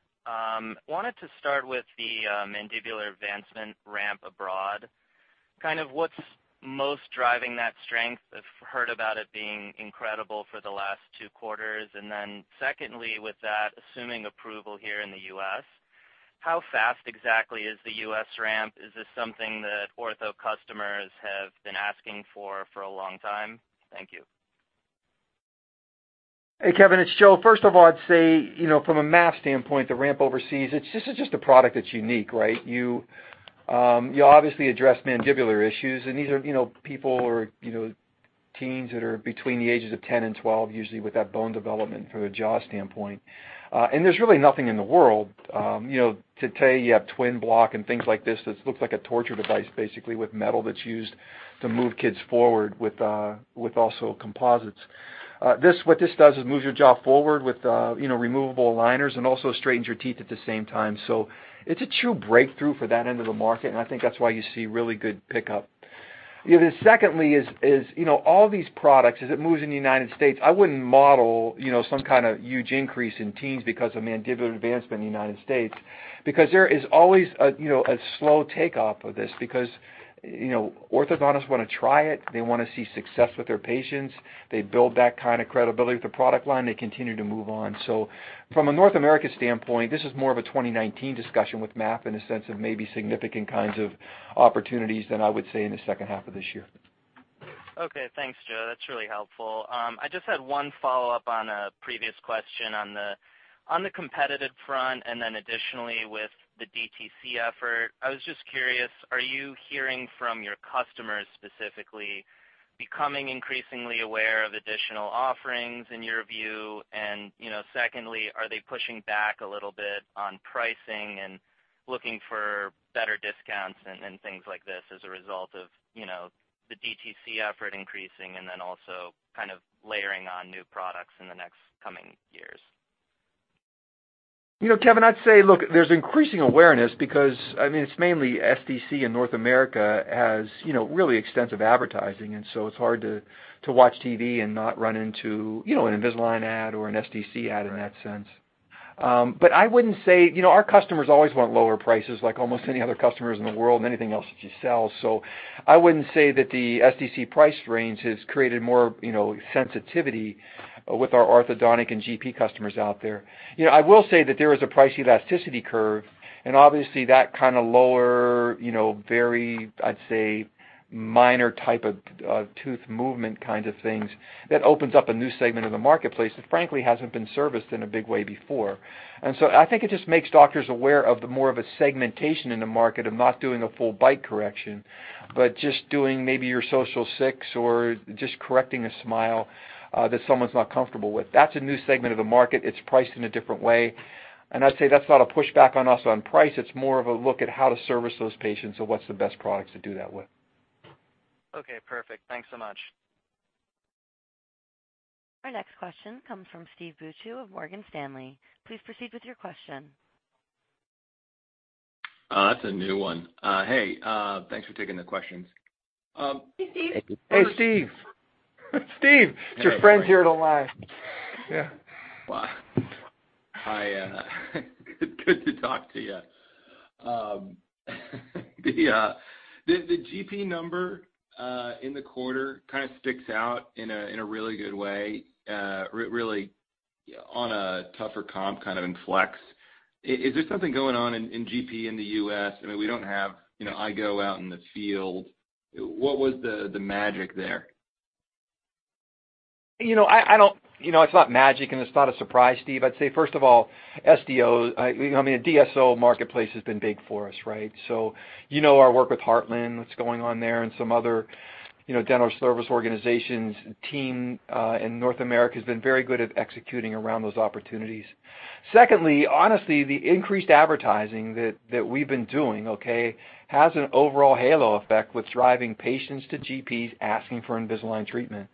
Wanted to start with the mandibular advancement ramp abroad. What's most driving that strength? I've heard about it being incredible for the last two quarters. Secondly, with that, assuming approval here in the U.S., how fast exactly is the U.S. ramp? Is this something that ortho customers have been asking for for a long time? Thank you. Hey, Kevin, it's Joe. First of all, I'd say, from an MA standpoint, the ramp overseas, this is just a product that's unique, right? You obviously address mandibular issues, and these are people or teens that are between the ages of 10 and 12, usually with that bone development from a jaw standpoint. There's really nothing in the world, today you have twin block and things like this that looks like a torture device, basically, with metal that's used to move kids forward with also composites. What this does is moves your jaw forward with removable aligners and also straightens your teeth at the same time. It's a true breakthrough for that end of the market, and I think that's why you see really good pickup. Secondly is, all these products, as it moves in the U.S., I wouldn't model some kind of huge increase in teens because of mandibular advancement in the U.S. Because there is always a slow takeoff of this because orthodontists want to try it. They want to see success with their patients. They build that kind of credibility with the product line. They continue to move on. From a North America standpoint, this is more of a 2019 discussion with MA in a sense of maybe significant kinds of opportunities than I would say in the second half of this year. Okay, thanks, Joe. That's really helpful. I just had one follow-up on a previous question on the competitive front, and then additionally with the DTC effort. I was just curious, are you hearing from your customers specifically becoming increasingly aware of additional offerings in your view? Secondly, are they pushing back a little bit on pricing and looking for better discounts and things like this as a result of the DTC effort increasing, and then also kind of layering on new products in the next coming years? Kevin, I'd say, look, there's increasing awareness because, it's mainly SDC in North America has really extensive advertising. It's hard to watch TV and not run into an Invisalign ad or an SDC ad in that sense. I wouldn't say our customers always want lower prices, like almost any other customers in the world, anything else that you sell. I wouldn't say that the SDC price range has created more sensitivity with our orthodontic and GP customers out there. I will say that there is a price elasticity curve, and obviously that kind of lower, very, I'd say, minor type of tooth movement kind of things, that opens up a new segment of the marketplace that frankly hasn't been serviced in a big way before. I think it just makes doctors aware of the more of a segmentation in the market of not doing a full bite correction, but just doing maybe your social six or just correcting a smile that someone's not comfortable with. That's a new segment of the market. It's priced in a different way. I'd say that's not a pushback on us on price. It's more of a look at how to service those patients or what's the best products to do that with. Okay, perfect. Thanks so much. Our next question comes from Steve Beuchaw of Morgan Stanley. Please proceed with your question. That's a new one. Hey, thanks for taking the questions. Hey, Steve. Hey, Steve. Steve, it's your friends here at Align. Yeah. Wow. Good to talk to you. The GP number, in the quarter kind of sticks out in a really good way, really on a tougher comp, kind of in Invisalign. Is there something going on in GP in the U.S.? I mean, I go out in the field. What was the magic there? It's not magic. It's not a surprise, Steve. I'd say, first of all, I mean, a DSO marketplace has been big for us, right? You know our work with Heartland, what's going on there, and some other Dental Service Organizations team, in North America has been very good at executing around those opportunities. Secondly, honestly, the increased advertising that we've been doing, okay, has an overall halo effect with driving patients to GPs asking for Invisalign treatment.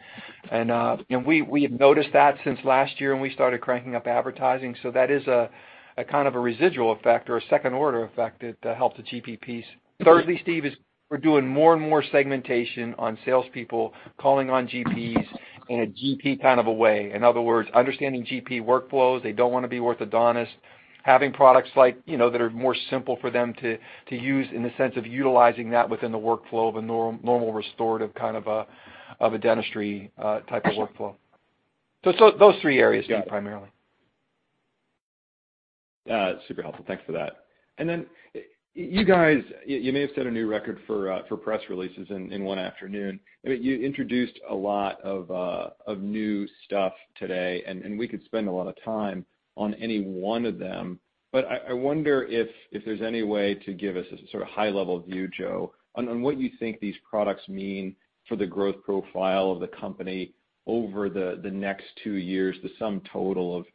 We have noticed that since last year when we started cranking up advertising. That is a kind of a residual effect or a second order effect that helped the GP piece. Thirdly, Steve, is we're doing more and more segmentation on salespeople calling on GPs in a GP kind of a way. In other words, understanding GP workflows. They don't want to be orthodontists. Having products that are more simple for them to use in the sense of utilizing that within the workflow of a normal restorative kind of a dentistry type of workflow. Those three areas, Steve, primarily. Yeah. Super helpful. Thanks for that. Then you guys, you may have set a new record for press releases in one afternoon. I mean, you introduced a lot of new stuff today. We could spend a lot of time on any one of them. I wonder if there's any way to give us a sort of high-level view, Joe, on what you think these products mean for the growth profile of the company over the next two years, the sum total of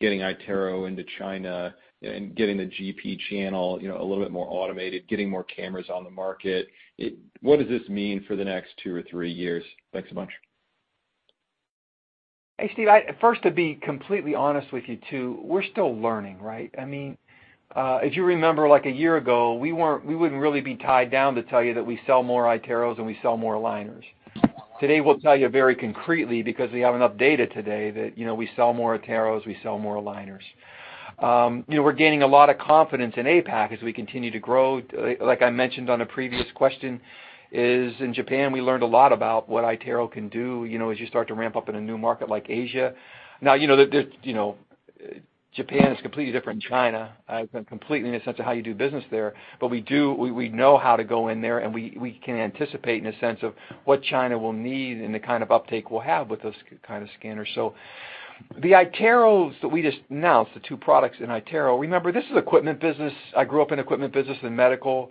getting iTero into China and getting the GP channel a little bit more automated, getting more cameras on the market. What does this mean for the next two or three years? Thanks a bunch. Hey, Steve, first, to be completely honest with you, too, we're still learning, right? I mean, as you remember, like a year ago, we wouldn't really be tied down to tell you that we sell more iTeros than we sell more aligners. Today, we'll tell you very concretely, because we have enough data today that we sell more iTeros, we sell more aligners. We're gaining a lot of confidence in APAC as we continue to grow. Like I mentioned on a previous question, is in Japan, we learned a lot about what iTero can do, as you start to ramp up in a new market like Asia. Japan is completely different than China, completely in the sense of how you do business there. We know how to go in there, and we can anticipate in a sense of what China will need and the kind of uptake we'll have with those kind of scanners. The iTeros that we just announced, the 2 products in iTero, remember, this is equipment business. I grew up in equipment business in medical.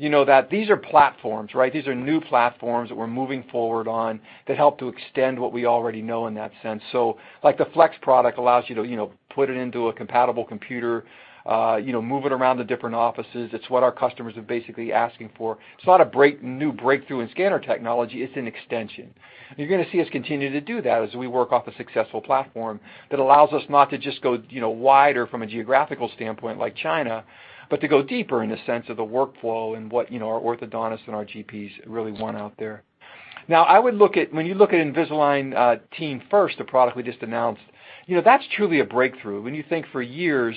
These are platforms, right? These are new platforms that we're moving forward on that help to extend what we already know in that sense. Like the Flex product allows you to put it into a compatible computer, move it around to different offices. It's what our customers are basically asking for. It's not a new breakthrough in scanner technology. It's an extension. You're going to see us continue to do that as we work off a successful platform that allows us not to just go wider from a geographical standpoint like China, but to go deeper in the sense of the workflow and what our orthodontists and our GPs really want out there. When you look at Invisalign Teen First, the product we just announced, that's truly a breakthrough. When you think for years,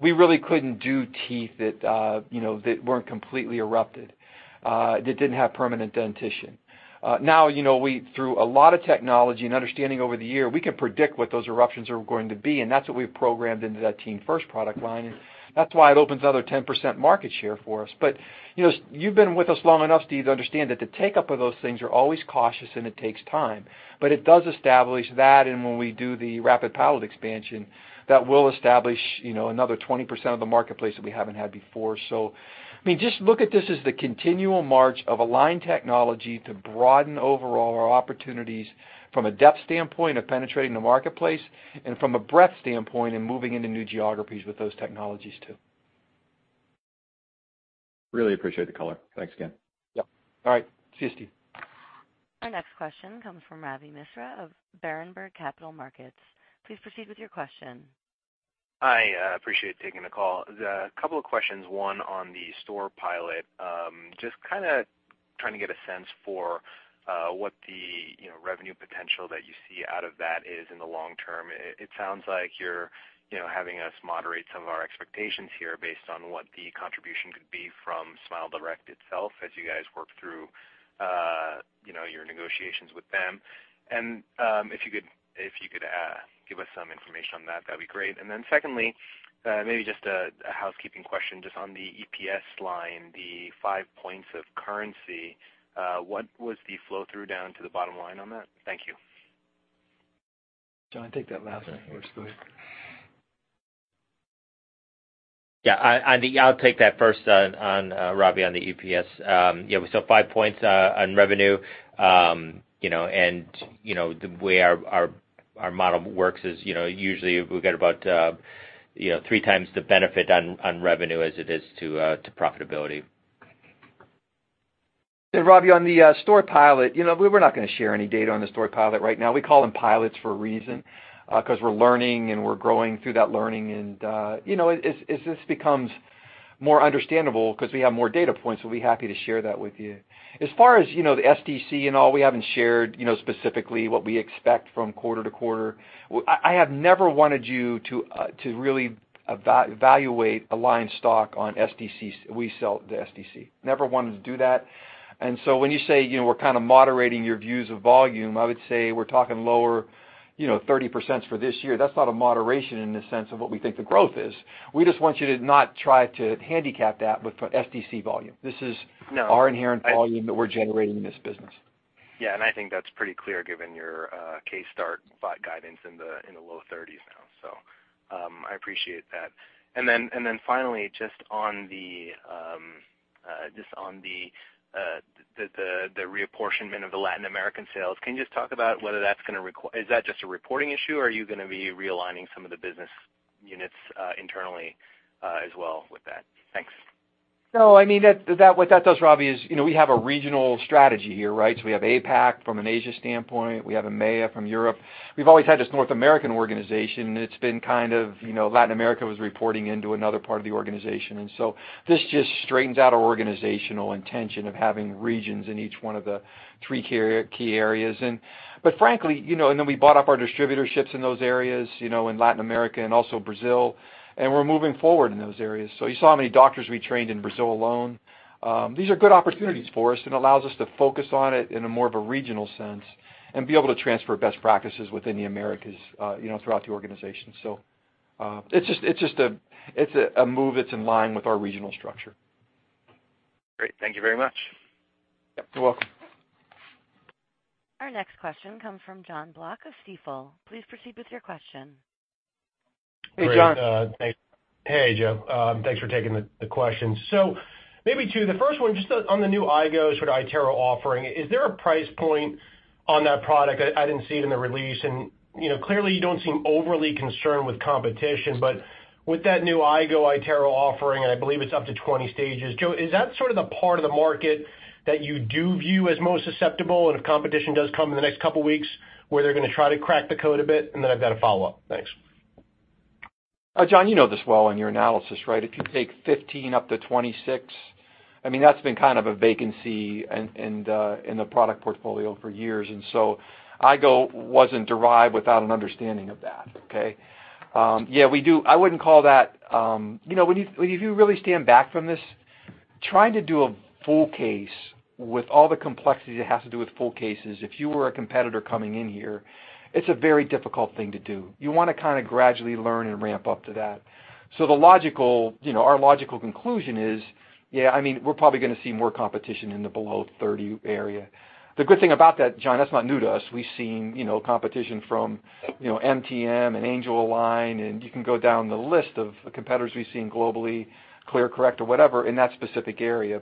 we really couldn't do teeth that weren't completely erupted, that didn't have permanent dentition. Through a lot of technology and understanding over the year, we can predict what those eruptions are going to be, and that's what we've programmed into that Teen First product line. That's why it opens another 10% market share for us. You've been with us long enough, Steve, to understand that the take-up of those things are always cautious, and it takes time. It does establish that, and when we do the rapid palate expansion, that will establish another 20% of the marketplace that we haven't had before. I mean, just look at this as the continual march of Align Technology to broaden overall our opportunities from a depth standpoint of penetrating the marketplace and from a breadth standpoint and moving into new geographies with those technologies, too. Really appreciate the color. Thanks again. Yep. All right. See you, Steve. Our next question comes from Ravi Misra of Berenberg Capital Markets. Please proceed with your question. I appreciate taking the call. A couple of questions, one on the store pilot. Just kind of trying to get a sense for what the revenue potential that you see out of that is in the long term. It sounds like you're having us moderate some of our expectations here based on what the contribution could be from SmileDirect itself as you guys work through your negotiations with them. If you could give us some information on that'd be great. Secondly, maybe just a housekeeping question, just on the EPS line, the five points of currency, what was the flow-through down to the bottom line on that? Thank you. John, take that last one for us. Go ahead. Yeah, I'll take that first, Ravi, on the EPS. The way our model works is, usually we've got about three times the benefit on revenue as it is to profitability. Ravi, on the store pilot, we're not going to share any data on the store pilot right now. We call them pilots for a reason, because we're learning and we're growing through that learning. As this becomes more understandable because we have more data points, we'll be happy to share that with you. As far as the SDC and all, we haven't shared specifically what we expect from quarter to quarter. I have never wanted you to really evaluate Align's stock on SDC, we see the SDC. Never wanted to do that. When you say, we're kind of moderating your views of volume, I would say we're talking lower 30% for this year. That's not a moderation in the sense of what we think the growth is. We just want you to not try to handicap that with SDC volume. No. This is our inherent volume that we're generating in this business. Yeah, I think that's pretty clear given your case start guidance in the low 30s now. I appreciate that. Finally, just on the reapportionment of the Latin American sales, can you just talk about whether that's going to require, is that just a reporting issue or are you going to be realigning some of the business units internally as well with that? Thanks. No, I mean, what that does, Ravi, is we have a regional strategy here, right? We have APAC from an Asia standpoint, we have EMEA from Europe. We've always had this North American organization, and it's been kind of Latin America was reporting into another part of the organization, this just straightens out our organizational intention of having regions in each one of the three key areas. Frankly, then we bought up our distributorships in those areas, in Latin America and also Brazil, we're moving forward in those areas. You saw how many doctors we trained in Brazil alone. These are good opportunities for us and allows us to focus on it in a more of a regional sense and be able to transfer best practices within the Americas, throughout the organization. It's a move that's in line with our regional structure. Great. Thank you very much. You're welcome. Our next question comes from John Block of Stifel. Please proceed with your question. Hey, John. Great. Hey Joe, thanks for taking the questions. Maybe two, the first one just on the new iGo sort of iTero offering. Is there a price point on that product? I didn't see it in the release, and clearly you don't seem overly concerned with competition, but with that new iGo iTero offering, and I believe it's up to 20 stages, Joe, is that sort of the part of the market that you do view as most susceptible? If competition does come in the next couple of weeks, where they're going to try to crack the code a bit, then I've got a follow-up. Thanks. John, you know this well in your analysis, right? If you take 15 up to 26, I mean, that's been kind of a vacancy in the product portfolio for years, iGo wasn't derived without an understanding of that, okay? Yeah, we do. I wouldn't call that-- if you really stand back from this, trying to do a full case with all the complexity that has to do with full cases, if you were a competitor coming in here, it's a very difficult thing to do. You want to kind of gradually learn and ramp up to that. Our logical conclusion is, yeah, I mean, we're probably going to see more competition in the below 30 area. The good thing about that, John, that's not new to us. We've seen competition from MTM and Angelalign, you can go down the list of the competitors we've seen globally, ClearCorrect or whatever, in that specific area.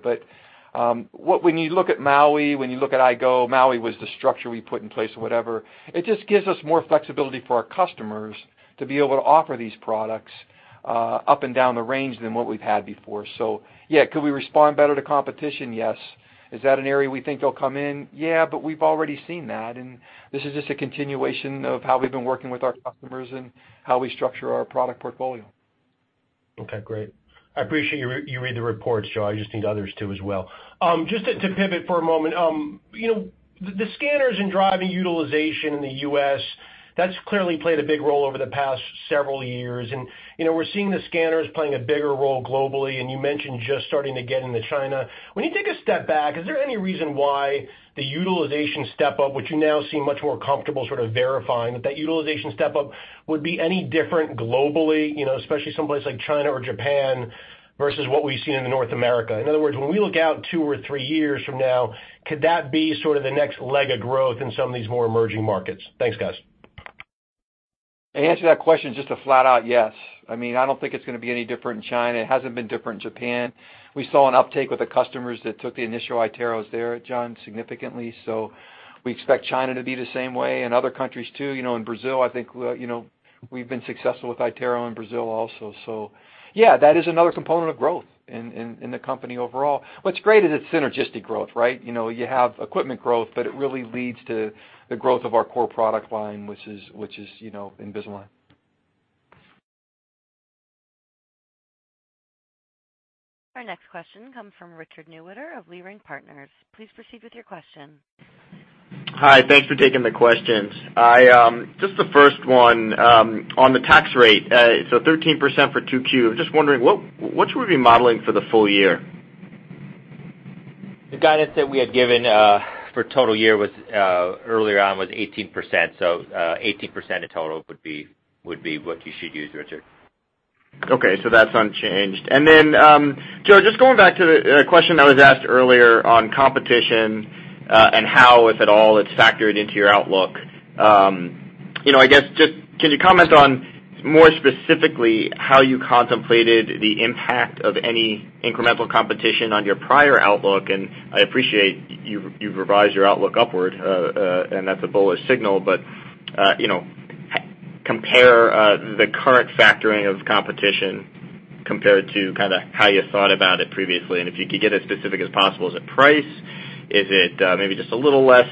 When you look at Maui, when you look at Invisalign Go, Maui was the structure we put in place or whatever. It just gives us more flexibility for our customers to be able to offer these products, up and down the range than what we've had before. Yeah, could we respond better to competition? Yes. Is that an area we think they'll come in? Yeah, we've already seen that, and this is just a continuation of how we've been working with our customers and how we structure our product portfolio. Okay, great. I appreciate you read the reports, Joe. I just need others too as well. Just to pivot for a moment. The scanners and driving utilization in the U.S., that's clearly played a big role over the past several years, and we're seeing the scanners playing a bigger role globally, and you mentioned just starting to get into China. When you take a step back, is there any reason why the utilization step-up, which you now seem much more comfortable sort of verifying, that that utilization step-up would be any different globally, especially someplace like China or Japan, versus what we've seen in North America. In other words, when we look out two or three years from now, could that be sort of the next leg of growth in some of these more emerging markets? Thanks, guys. To answer that question, just a flat out yes. I mean, I don't think it's going to be any different in China. It hasn't been different in Japan. We saw an uptake with the customers that took the initial iTeros there, Jon, significantly. We expect China to be the same way and other countries too. In Brazil, I think we've been successful with iTero in Brazil also. Yeah, that is another component of growth in the company overall. What's great is it's synergistic growth, right? You have equipment growth, but it really leads to the growth of our core product line, which is Invisalign. Our next question comes from Richard Newitter of Leerink Partners. Please proceed with your question. Hi. Thanks for taking the questions. Just the first one, on the tax rate, 13% for 2Q, I'm just wondering what should we be modeling for the full year? The guidance that we had given, for total year earlier on was 18%. 18% in total would be what you should use, Richard. Okay. That's unchanged. Joe, just going back to the question that was asked earlier on competition, and how, if at all, it's factored into your outlook. I guess, can you comment on more specifically how you contemplated the impact of any incremental competition on your prior outlook? I appreciate you've revised your outlook upward, that's a bullish signal, compare, the current factoring of competition compared to kind of how you thought about it previously. If you could get as specific as possible, is it price? Is it maybe just a little less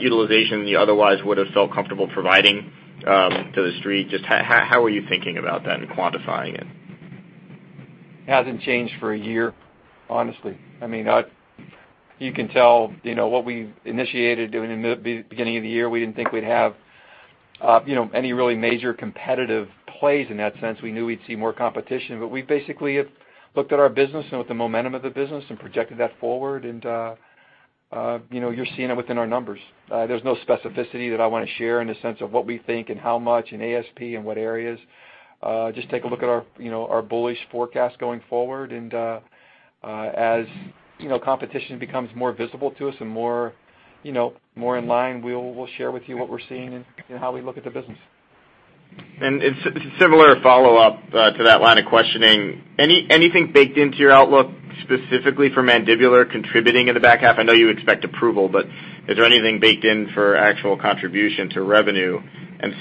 utilization than you otherwise would have felt comfortable providing to The Street? Just how are you thinking about that and quantifying it? It hasn't changed for a year, honestly. You can tell, what we initiated doing in the beginning of the year, we didn't think we'd have any really major competitive plays in that sense. We knew we'd see more competition. We basically have looked at our business and with the momentum of the business and projected that forward, and you're seeing it within our numbers. There's no specificity that I want to share in the sense of what we think and how much in ASP and what areas. Just take a look at our bullish forecast going forward. As competition becomes more visible to us and more in line, we'll share with you what we're seeing and how we look at the business. A similar follow-up to that line of questioning, anything baked into your outlook specifically for mandibular contributing in the back half? I know you expect approval, but is there anything baked in for actual contribution to revenue?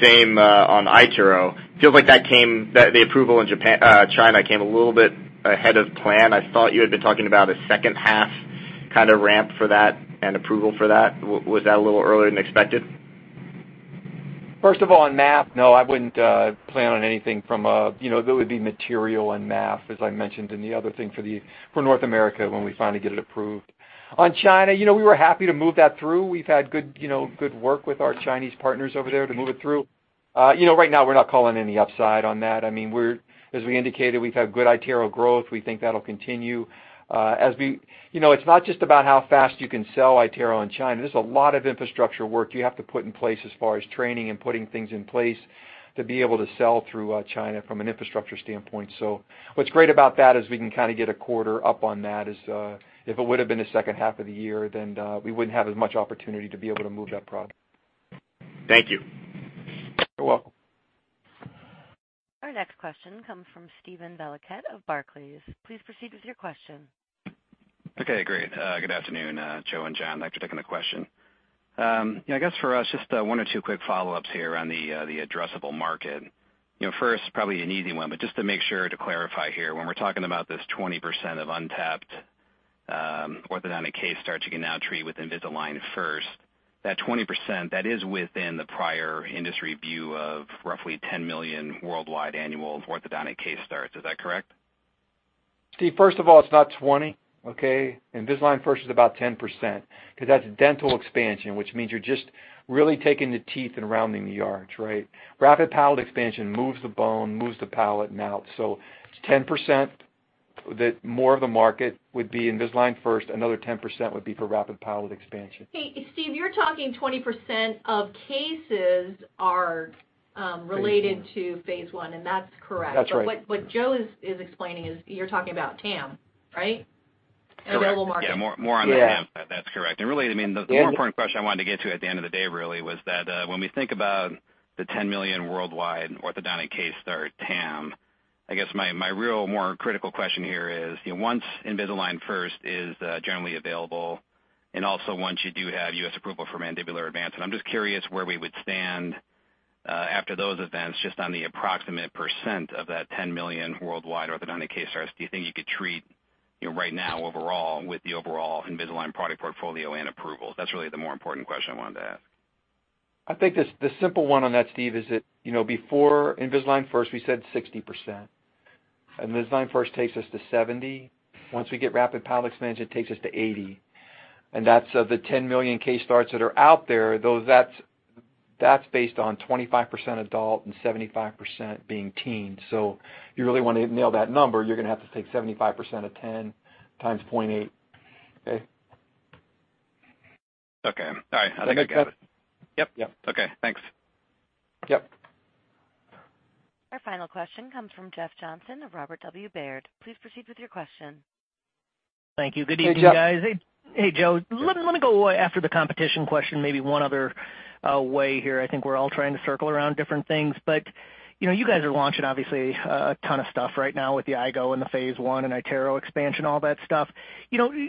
Same on iTero. It feels like the approval in China came a little bit ahead of plan. I thought you had been talking about a second half kind of ramp for that and approval for that. Was that a little earlier than expected? First of all, on MA, no, I wouldn't plan on anything. There would be material on MA, as I mentioned, and the other thing for North America when we finally get it approved. On China, we were happy to move that through. We've had good work with our Chinese partners over there to move it through. Right now, we're not calling any upside on that. As we indicated, we've had good iTero growth. We think that'll continue. It's not just about how fast you can sell iTero in China. There's a lot of infrastructure work you have to put in place as far as training and putting things in place to be able to sell through China from an infrastructure standpoint. What's great about that is we can kind of get a quarter up on that. If it would've been the second half of the year, we wouldn't have as much opportunity to be able to move that product. Thank you. You're welcome. Our next question comes from Steven Valiquette of Barclays. Please proceed with your question. Okay, great. Good afternoon, Joe and John. Thanks for taking the question. I guess, for us, just one or two quick follow-ups here around the addressable market. First, probably an easy one, but just to make sure to clarify here, when we're talking about this 20% of untapped orthodontic case starts you can now treat with Invisalign First, that 20%, that is within the prior industry view of roughly 10 million worldwide annual orthodontic case starts. Is that correct? Steve, first of all, it's not 20, okay? Invisalign First is about 10%, because that's dental expansion, which means you're just really taking the teeth and rounding the arch, right? Rapid palate expansion moves the bone, moves the palate out. It's 10% that more of the market would be Invisalign First, another 10% would be for rapid palate expansion. Hey, Steve, you're talking 20% of cases are related to phase I, that's correct. That's right. What Joe is explaining is you're talking about TAM, right? Available market. Correct. Yeah, more on the TAM side. That's correct. Really, the more important question I wanted to get to at the end of the day really was that when we think about the 10 million worldwide orthodontic case start TAM, I guess my real more critical question here is, once Invisalign First is generally available, also once you do have U.S. approval for Mandibular Advancement, I'm just curious where we would stand after those events, just on the approximate percent of that 10 million worldwide orthodontic case starts. Do you think you could treat right now overall with the overall Invisalign product portfolio and approval? That's really the more important question I wanted to ask. I think the simple one on that, Steve, is that before Invisalign First, we said 60%. Invisalign First takes us to 70. Once we get rapid palate expansion, it takes us to 80. That's of the 10 million case starts that are out there, that's based on 25% adult and 75% being teen. If you really want to nail that number, you're going to have to take 75% of 10 times 0.8. Okay? Okay. All right. I think I got it. Does that make sense? Yep. Yep. Okay, thanks. Yep. Our final question comes from Jeff Johnson of Robert W. Baird. Please proceed with your question. Hey, Jeff. Thank you. Good evening, guys. Hey, Joe. Let me go after the competition question, maybe one other way here. I think we're all trying to circle around different things. You guys are launching, obviously, a ton of stuff right now with the iGo and the Invisalign First and iTero expansion, all that stuff.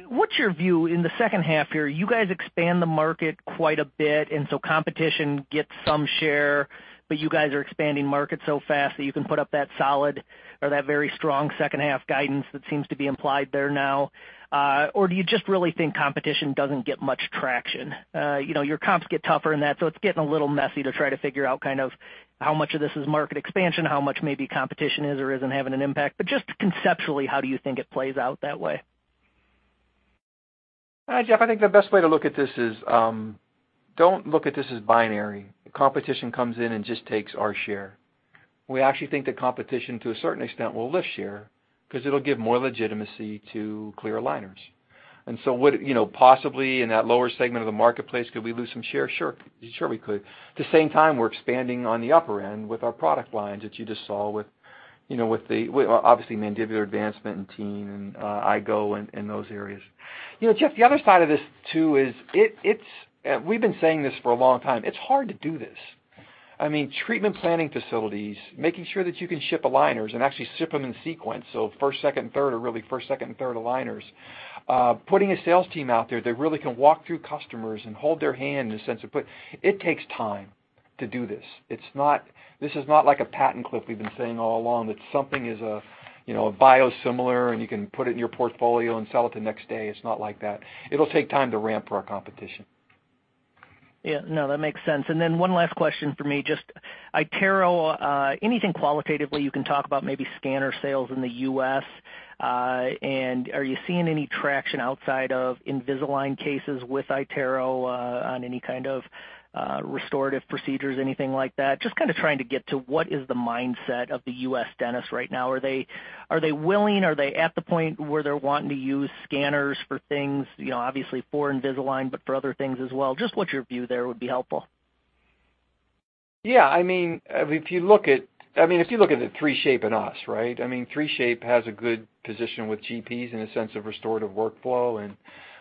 What's your view in the second half here? You guys expand the market quite a bit, competition gets some share, but you guys are expanding market so fast that you can put up that solid or that very strong second half guidance that seems to be implied there now. Do you just really think competition doesn't get much traction? Your comps get tougher and that, it's getting a little messy to try to figure out how much of this is market expansion, how much maybe competition is or isn't having an impact? Just conceptually, how do you think it plays out that way? Jeff, I think the best way to look at this is don't look at this as binary. Competition comes in and just takes our share. We actually think that competition, to a certain extent, will lift share because it'll give more legitimacy to clear aligners. Possibly in that lower segment of the marketplace, could we lose some share? Sure. Sure, we could. At the same time, we're expanding on the upper end with our product lines that you just saw with, obviously, Mandibular Advancement and Teen and iGo and those areas. Jeff, the other side of this, too, is we've been saying this for a long time, it's hard to do this. I mean, treatment planning facilities, making sure that you can ship aligners and actually ship them in sequence, so first, second, and third, or really first, second, and third aligners. Putting a sales team out there that really can walk through customers and hold their hand, in a sense, it takes time to do this. This is not like a patent cliff we've been saying all along, that something is a biosimilar, and you can put it in your portfolio and sell it the next day. It's not like that. It'll take time to ramp for our competition. Yeah, no, that makes sense. One last question from me, just iTero, anything qualitatively you can talk about maybe scanner sales in the U.S., and are you seeing any traction outside of Invisalign cases with iTero on any kind of restorative procedures, anything like that? Just trying to get to what is the mindset of the U.S. dentist right now. Are they willing? Are they at the point where they're wanting to use scanners for things, obviously for Invisalign, but for other things as well? Just what your view there would be helpful. Yeah, if you look at the 3Shape and us, right? 3Shape has a good position with GPs in the sense of restorative workflow and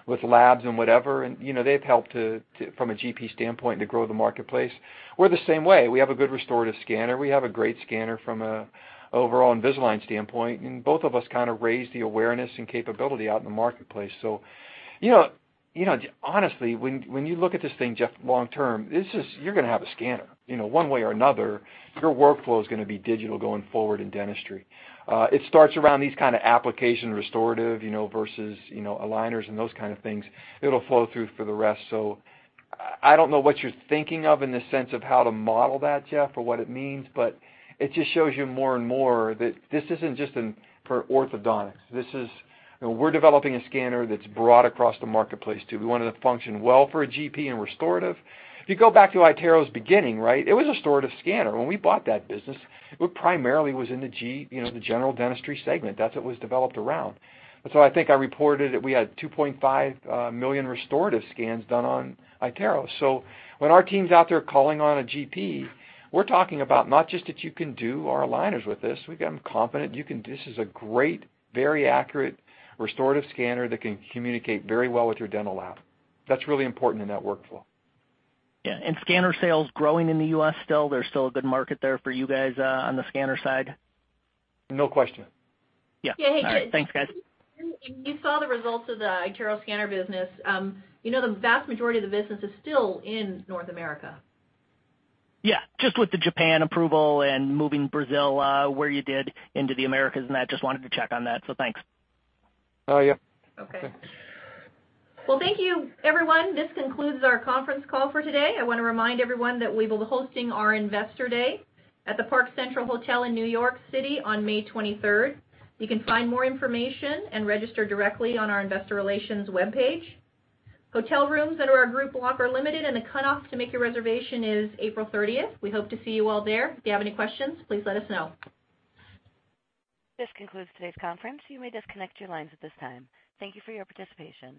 with labs and whatever. They've helped from a GP standpoint to grow the marketplace. We're the same way. We have a good restorative scanner. We have a great scanner from a overall Invisalign standpoint, and both of us raised the awareness and capability out in the marketplace. Honestly, when you look at this thing, Jeff, long term, you're going to have a scanner. One way or another, your workflow is going to be digital going forward in dentistry. It starts around these kind of application restorative versus aligners and those kind of things. It'll flow through for the rest. I don't know what you're thinking of in the sense of how to model that, Jeff, or what it means, but it just shows you more and more that this isn't just for orthodontics. We're developing a scanner that's broad across the marketplace, too. We want it to function well for a GP in restorative. If you go back to iTero's beginning, right. It was a restorative scanner. When we bought that business, it primarily was in the general dentistry segment. That's what it was developed around. I think I reported that we had 2.5 million restorative scans done on iTero. When our team's out there calling on a GP, we're talking about not just that you can do our aligners with this, we've got them confident. This is a great, very accurate restorative scanner that can communicate very well with your dental lab. That's really important in that workflow. Yeah. Scanner sales growing in the U.S. still, there's still a good market there for you guys on the scanner side? No question. Yeah. All right. Thanks, guys. Yeah, hey, Jeff. You saw the results of the iTero scanner business. The vast majority of the business is still in North America. Yeah. Just with the Japan approval and moving Brazil where you did into the Americas, and that, just wanted to check on that, so thanks. Yeah. Okay. Well, thank you, everyone. This concludes our conference call for today. I want to remind everyone that we will be hosting our Investor Day at the Park Central Hotel in New York City on May 23rd. You can find more information and register directly on our investor relations webpage. Hotel rooms under our group block are limited, and the cutoff to make your reservation is April 30th. We hope to see you all there. If you have any questions, please let us know. This concludes today's conference. You may disconnect your lines at this time. Thank you for your participation.